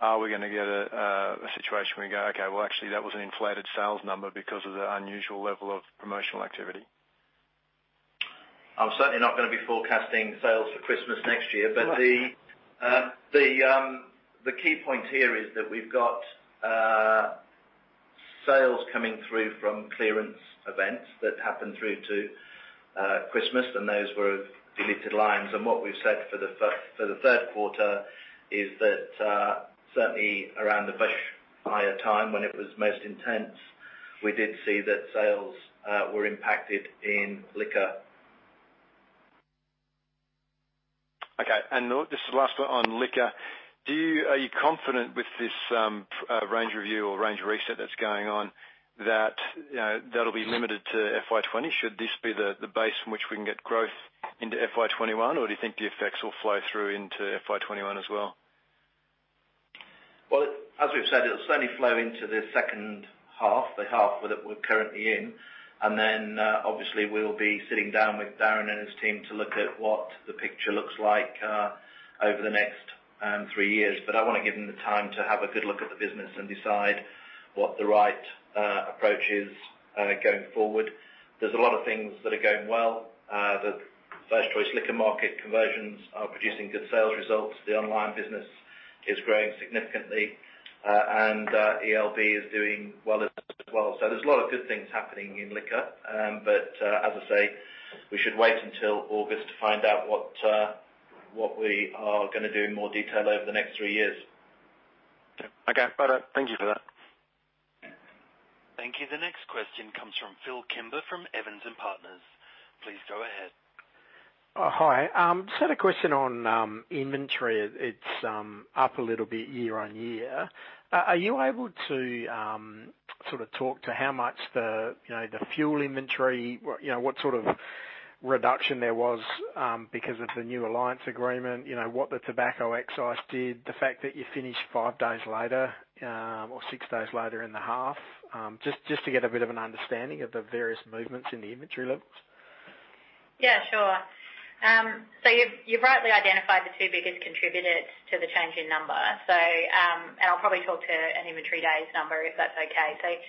are we going to get a situation where we go, "Okay. Well, actually, that was an inflated sales number because of the unusual level of promotional activity"? I'm certainly not going to be forecasting sales for Christmas next year, but the key point here is that we've got sales coming through from clearance events that happened through to Christmas, and those were deleted lines. And what we've said for the third quarter is that certainly around the fresh buyer time when it was most intense, we did see that sales were impacted in liquor. Okay. And this is the last one on liquor. Are you confident with this range review or range reset that's going on that it'll be limited to FY20? Should this be the base from which we can get growth into FY21, or do you think the effects will flow through into FY21 as well? As we've said, it'll certainly flow into the second half, the half that we're currently in. Obviously, we'll be sitting down with Darren and his team to look at what the picture looks like over the next three years. I want to give them the time to have a good look at the business and decide what the right approach is going forward. There's a lot of things that are going well. The First Choice Liquor Market conversions are producing good sales results. The online business is growing significantly, and ELB is doing well as well. So there's a lot of good things happening in liquor. But as I say, we should wait until August to find out what we are going to do in more detail over the next three years. Okay. Thank you for that. Thank you. The next question comes from Phil Kimber from Evans & Partners. Please go ahead. Hi. Just had a question on inventory. It's up a little bit year on year. Are you able to sort of talk to how much the fuel inventory, what sort of reduction there was because of the new alliance agreement, what the tobacco excise did, the fact that you finished five days later or six days later in the half, just to get a bit of an understanding of the various movements in the inventory levels? Yeah. Sure. So you've rightly identified the two biggest contributors to the change in number. I'll probably talk to an inventory days number if that's okay.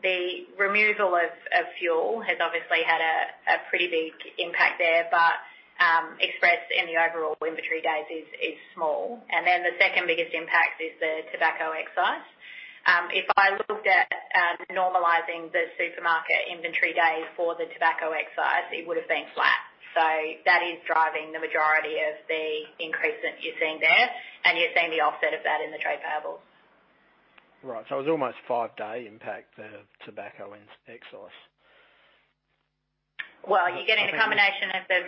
The removal of fuel has obviously had a pretty big impact there, but expressed in the overall inventory days is small. Then the second biggest impact is the tobacco excise. If I looked at normalizing the supermarket inventory days for the tobacco excise, it would have been flat. That is driving the majority of the increase that you're seeing there, and you're seeing the offset of that in the trade payables. Right. It was almost five-day impact, the tobacco excise. You're getting a combination of the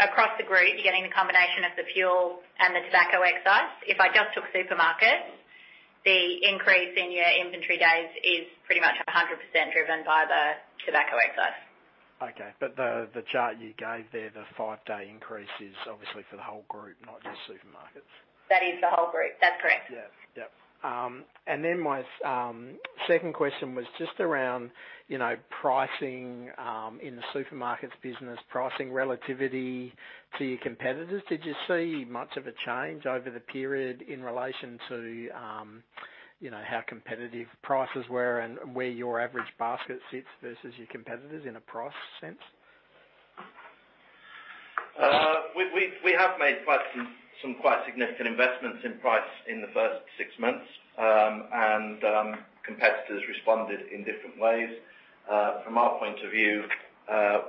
across the group, you're getting the combination of the fuel and the tobacco excise. If I just took supermarkets, the increase in your inventory days is pretty much 100% driven by the tobacco excise. Okay. But the chart you gave there, the five-day increase is obviously for the whole group, not just supermarkets. That is the whole group. That's correct. Yeah. Yep. And then my second question was just around pricing in the supermarkets business, pricing relativity to your competitors. Did you see much of a change over the period in relation to how competitive prices were and where your average basket sits versus your competitors in a price sense? We have made quite some quite significant investments in price in the first six months, and competitors responded in different ways. From our point of view,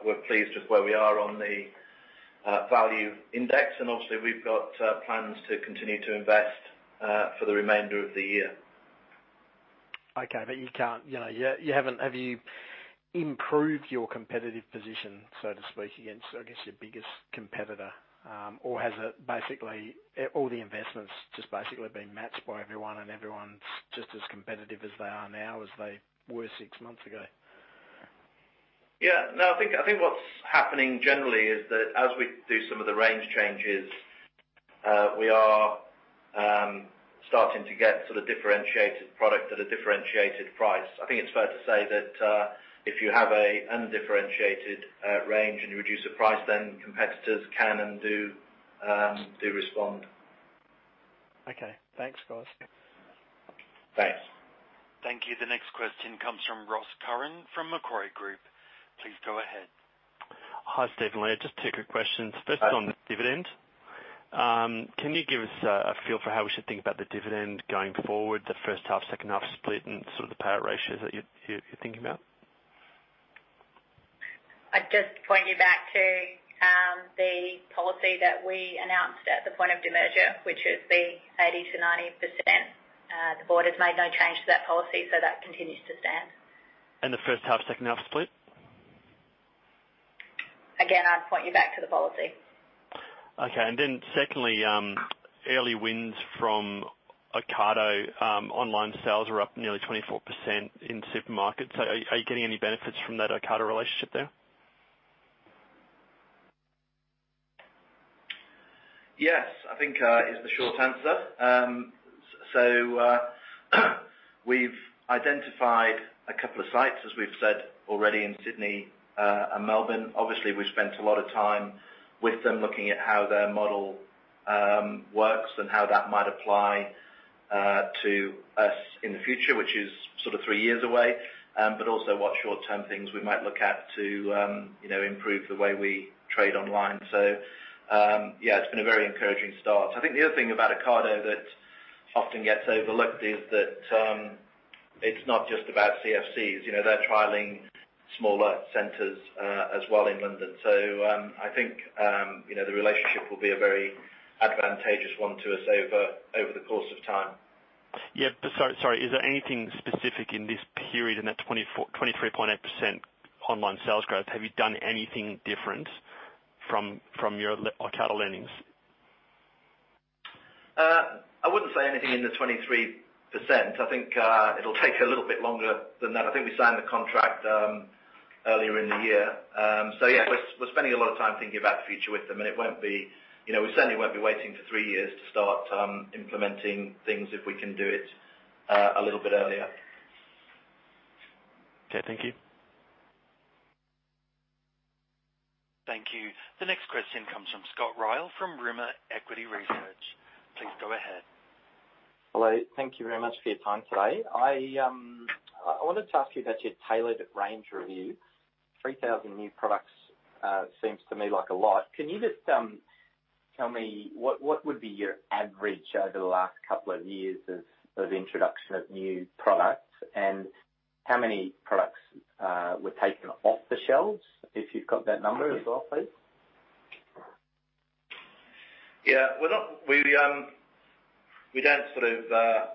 we're pleased with where we are on the value index, and obviously, we've got plans to continue to invest for the remainder of the year. Okay. But haven't you improved your competitive position, so to speak, against, I guess, your biggest competitor, or has it basically all the investments just basically been matched by everyone, and everyone's just as competitive as they are now as they were six months ago? Yeah. No. I think what's happening generally is that as we do some of the range changes, we are starting to get sort of differentiated products at a differentiated price. I think it's fair to say that if you have an undifferentiated range and you reduce the price, then competitors can and do respond. Okay. Thanks, guys. Thanks. Thank you. The next question comes from Ross Curran from Macquarie Group. Please go ahead. Hi, Steven. Leah. Just two quick questions. First on dividend. Can you give us a feel for how we should think about the dividend going forward, the first half, second half split, and sort of the payout ratios that you're thinking about? I'd just point you back to the policy that we announced at the point of demerger, which is the 80%-90%. The board has made no change to that policy, so that continues to stand. And the first half, second half split? Again, I'd point you back to the policy. Okay. And then secondly, early wins from Ocado. Online sales are up nearly 24% in supermarkets. Are you getting any benefits from that Ocado relationship there? Yes. I think is the short answer. So we've identified a couple of sites, as we've said already, in Sydney and Melbourne. Obviously, we've spent a lot of time with them looking at how their model works and how that might apply to us in the future, which is sort of three years away, but also what short-term things we might look at to improve the way we trade online. So yeah, it's been a very encouraging start. I think the other thing about Ocado that often gets overlooked is that it's not just about CFCs. They're trialing smaller centers as well in London. So I think the relationship will be a very advantageous one to us over the course of time. Yeah. Sorry. Is there anything specific in this period in that 23.8% online sales growth? Have you done anything different from your Ocado learnings? I wouldn't say anything in the 23%. I think it'll take a little bit longer than that. I think we signed the contract earlier in the year. So yeah, we're spending a lot of time thinking about the future with them, and it won't be we certainly won't be waiting for three years to start implementing things if we can do it a little bit earlier. Okay. Thank you. Thank you. The next question comes from Scott Ryall from Rimor Equity Research. Please go ahead. Hello. Thank you very much for your time today. I wanted to ask you about your Tailored Range Review. 3,000 new products seems to me like a lot. Can you just tell me what would be your average over the last couple of years of introduction of new products and how many products were taken off the shelves? If you've got that number as well, please. Yeah. We don't sort of,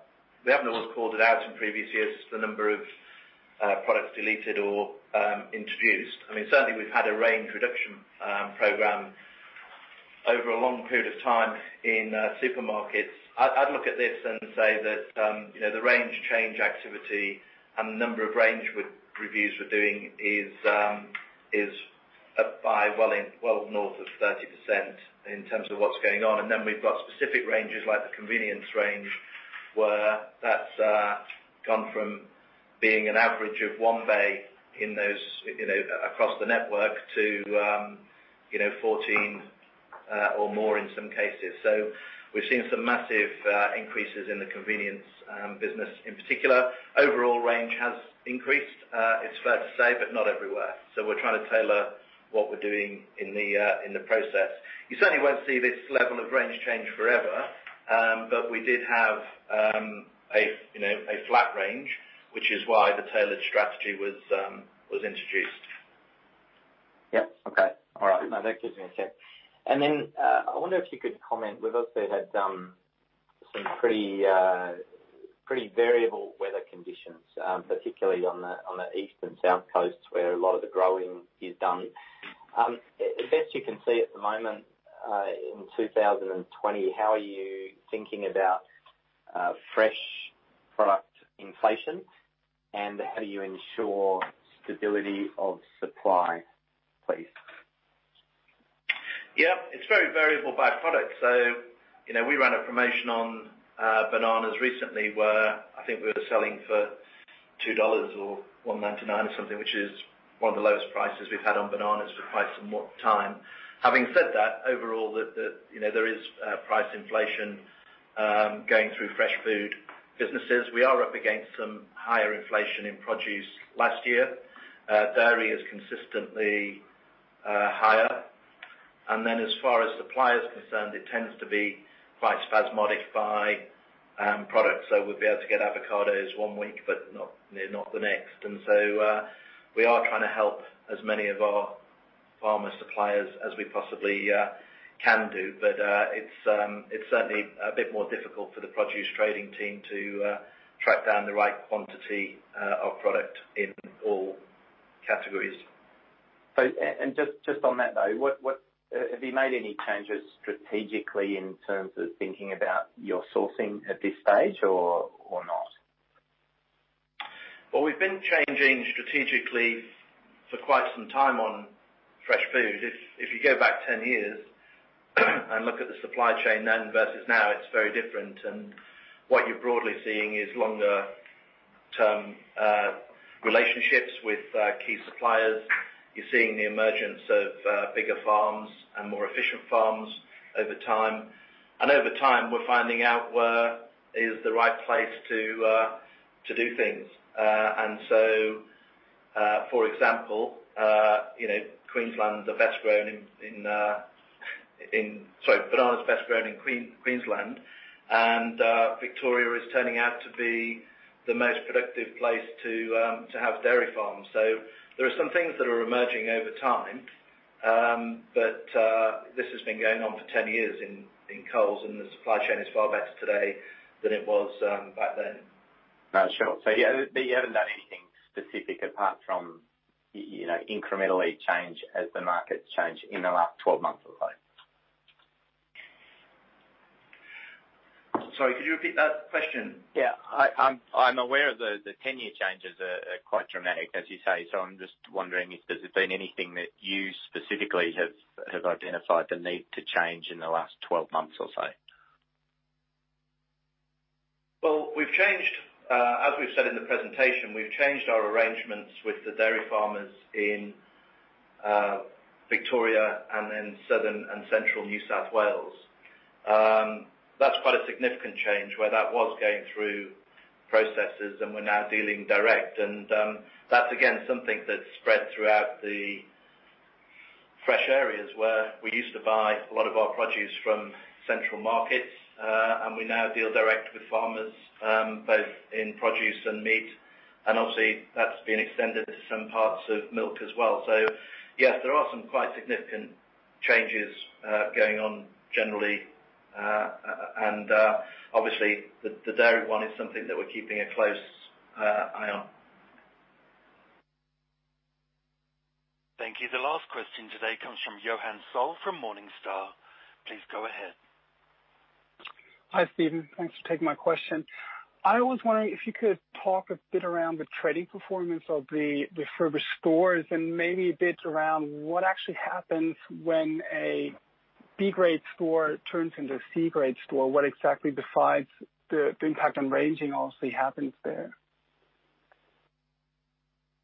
we haven't always called it out in previous years as the number of products deleted or introduced. I mean, certainly, we've had a range reduction program over a long period of time in supermarkets. I'd look at this and say that the range change activity and the number of range reviews we're doing is up by well north of 30% in terms of what's going on. And then we've got specific ranges like the convenience range where that's gone from being an average of one bay across the network to 14 or more in some cases. So we've seen some massive increases in the convenience business. In particular, overall range has increased. It's fair to say, but not everywhere. So we're trying to tailor what we're doing in the process. You certainly won't see this level of range change forever, but we did have a flat range, which is why the tailored strategy was introduced. Yes. Okay. All right. No, that gives me a sec. And then I wonder if you could comment. We've also had some pretty variable weather conditions, particularly on the east and south coasts where a lot of the growing is done. The best you can see at the moment in 2020, how are you thinking about fresh product inflation, and how do you ensure stability of supply, please? Yeah. It's very variable by product. So we ran a promotion on bananas recently where I think we were selling for 2 dollars or 1.99 or something, which is one of the lowest prices we've had on bananas for quite some time. Having said that, overall, there is price inflation going through fresh food businesses. We are up against some higher inflation in produce last year. Dairy is consistently higher, and then as far as supply is concerned, it tends to be quite spasmodic by product, so we'll be able to get avocados one week, but not the next, and so we are trying to help as many of our farmer suppliers as we possibly can do, but it's certainly a bit more difficult for the produce trading team to track down the right quantity of product in all categories, and just on that, though, have you made any changes strategically in terms of thinking about your sourcing at this stage or not? Well, we've been changing strategically for quite some time on fresh food. If you go back 10 years and look at the supply chain then versus now, it's very different, and what you're broadly seeing is longer-term relationships with key suppliers. You're seeing the emergence of bigger farms and more efficient farms over time. And over time, we're finding out where is the right place to do things. And so, for example, Queensland, the best grown in sorry, bananas best grown in Queensland, and Victoria is turning out to be the most productive place to have dairy farms. So there are some things that are emerging over time, but this has been going on for 10 years in Coles, and the supply chain is far better today than it was back then. No, sure. So yeah, but you haven't done anything specific apart from incrementally change as the markets change in the last 12 months or so? Sorry, could you repeat that question? Yeah. I'm aware of the 10-year changes are quite dramatic, as you say. So I'm just wondering if there's been anything that you specifically have identified the need to change in the last 12 months or so? Well, as we've said in the presentation, we've changed our arrangements with the dairy farmers in Victoria and then southern and central New South Wales. That's quite a significant change where that was going through processes, and we're now dealing direct. And that's, again, something that's spread throughout the fresh areas where we used to buy a lot of our produce from central markets, and we now deal direct with farmers both in produce and meat. And obviously, that's been extended to some parts of milk as well. So yes, there are some quite significant changes going on generally. And obviously, the dairy one is something that we're keeping a close eye on. Thank you. The last question today comes from Johannes Faul from Morningstar. Please go ahead. Hi, Steven. Thanks for taking my question. I was wondering if you could talk a bit around the trading performance of the refurbished stores and maybe a bit around what actually happens when a B-grade store turns into a C-grade store. What exactly decides the impact on ranging obviously happens there?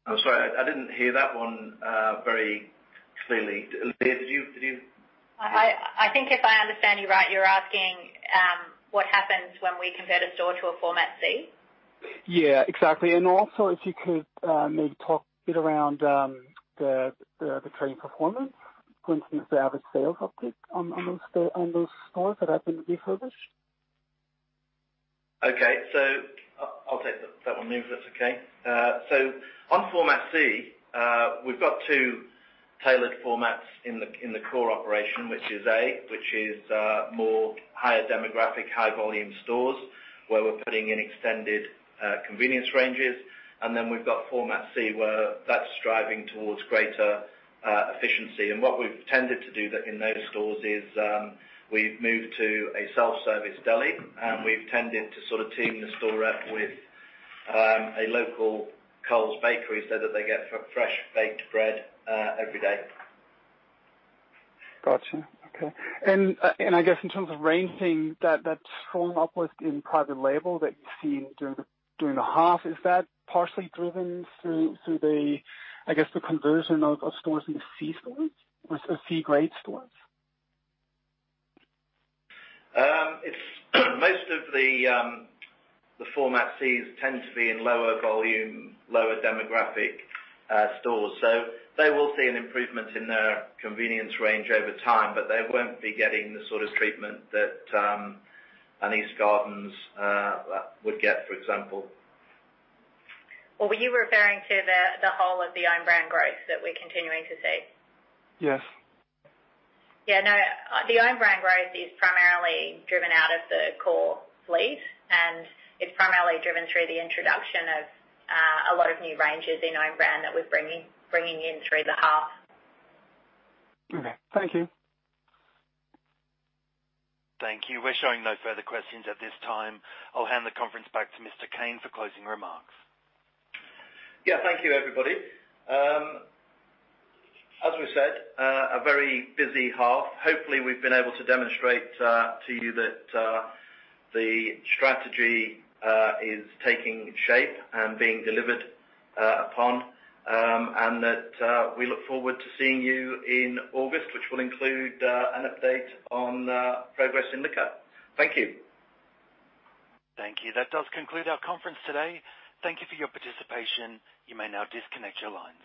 I'm sorry. I didn't hear that one very clearly. Did you? I think if I understand you right, you're asking what happens when we convert a store to a format C? Yeah. Exactly. And also if you could maybe talk a bit around the trading performance, for instance, the average sales uptake on those stores that have been refurbished. Okay. So I'll take that one then, if that's okay. So on Format C, we've got two tailored formats in the core operation, which is A, which is more higher demographic, high-volume stores where we're putting in extended convenience ranges. And then we've got Format C where that's striving towards greater efficiency. And what we've tended to do in those stores is we've moved to a self-service deli, and we've tended to sort of team the store up with a local Coles bakery so that they get fresh baked bread every day. Gotcha. Okay. And I guess in terms of ranging, that strong uplift in private label that you've seen during the half, is that partially driven through, I guess, the conversion of stores into C-stores or C-grade stores? Most of the Format Cs tend to be in lower volume, lower demographic stores. So they will see an improvement in their convenience range over time, but they won't be getting the sort of treatment that an Eastgardens would get, for example. Well, were you referring to the whole of the own brand growth that we're continuing to see? Yes. Yeah. No. The own brand growth is primarily driven out of the core fleet, and it's primarily driven through the introduction of a lot of new ranges in own brand that we're bringing in through the half. Okay. Thank you. Thank you. We're showing no further questions at this time. I'll hand the conference back to Mr. Cain for closing remarks. Yeah. Thank you, everybody. As we said, a very busy half. Hopefully, we've been able to demonstrate to you that the strategy is taking shape and being delivered upon and that we look forward to seeing you in August, which will include an update on progress in liquor. Thank you. Thank you. That does conclude our conference today. Thank you for your participation. You may now disconnect your lines.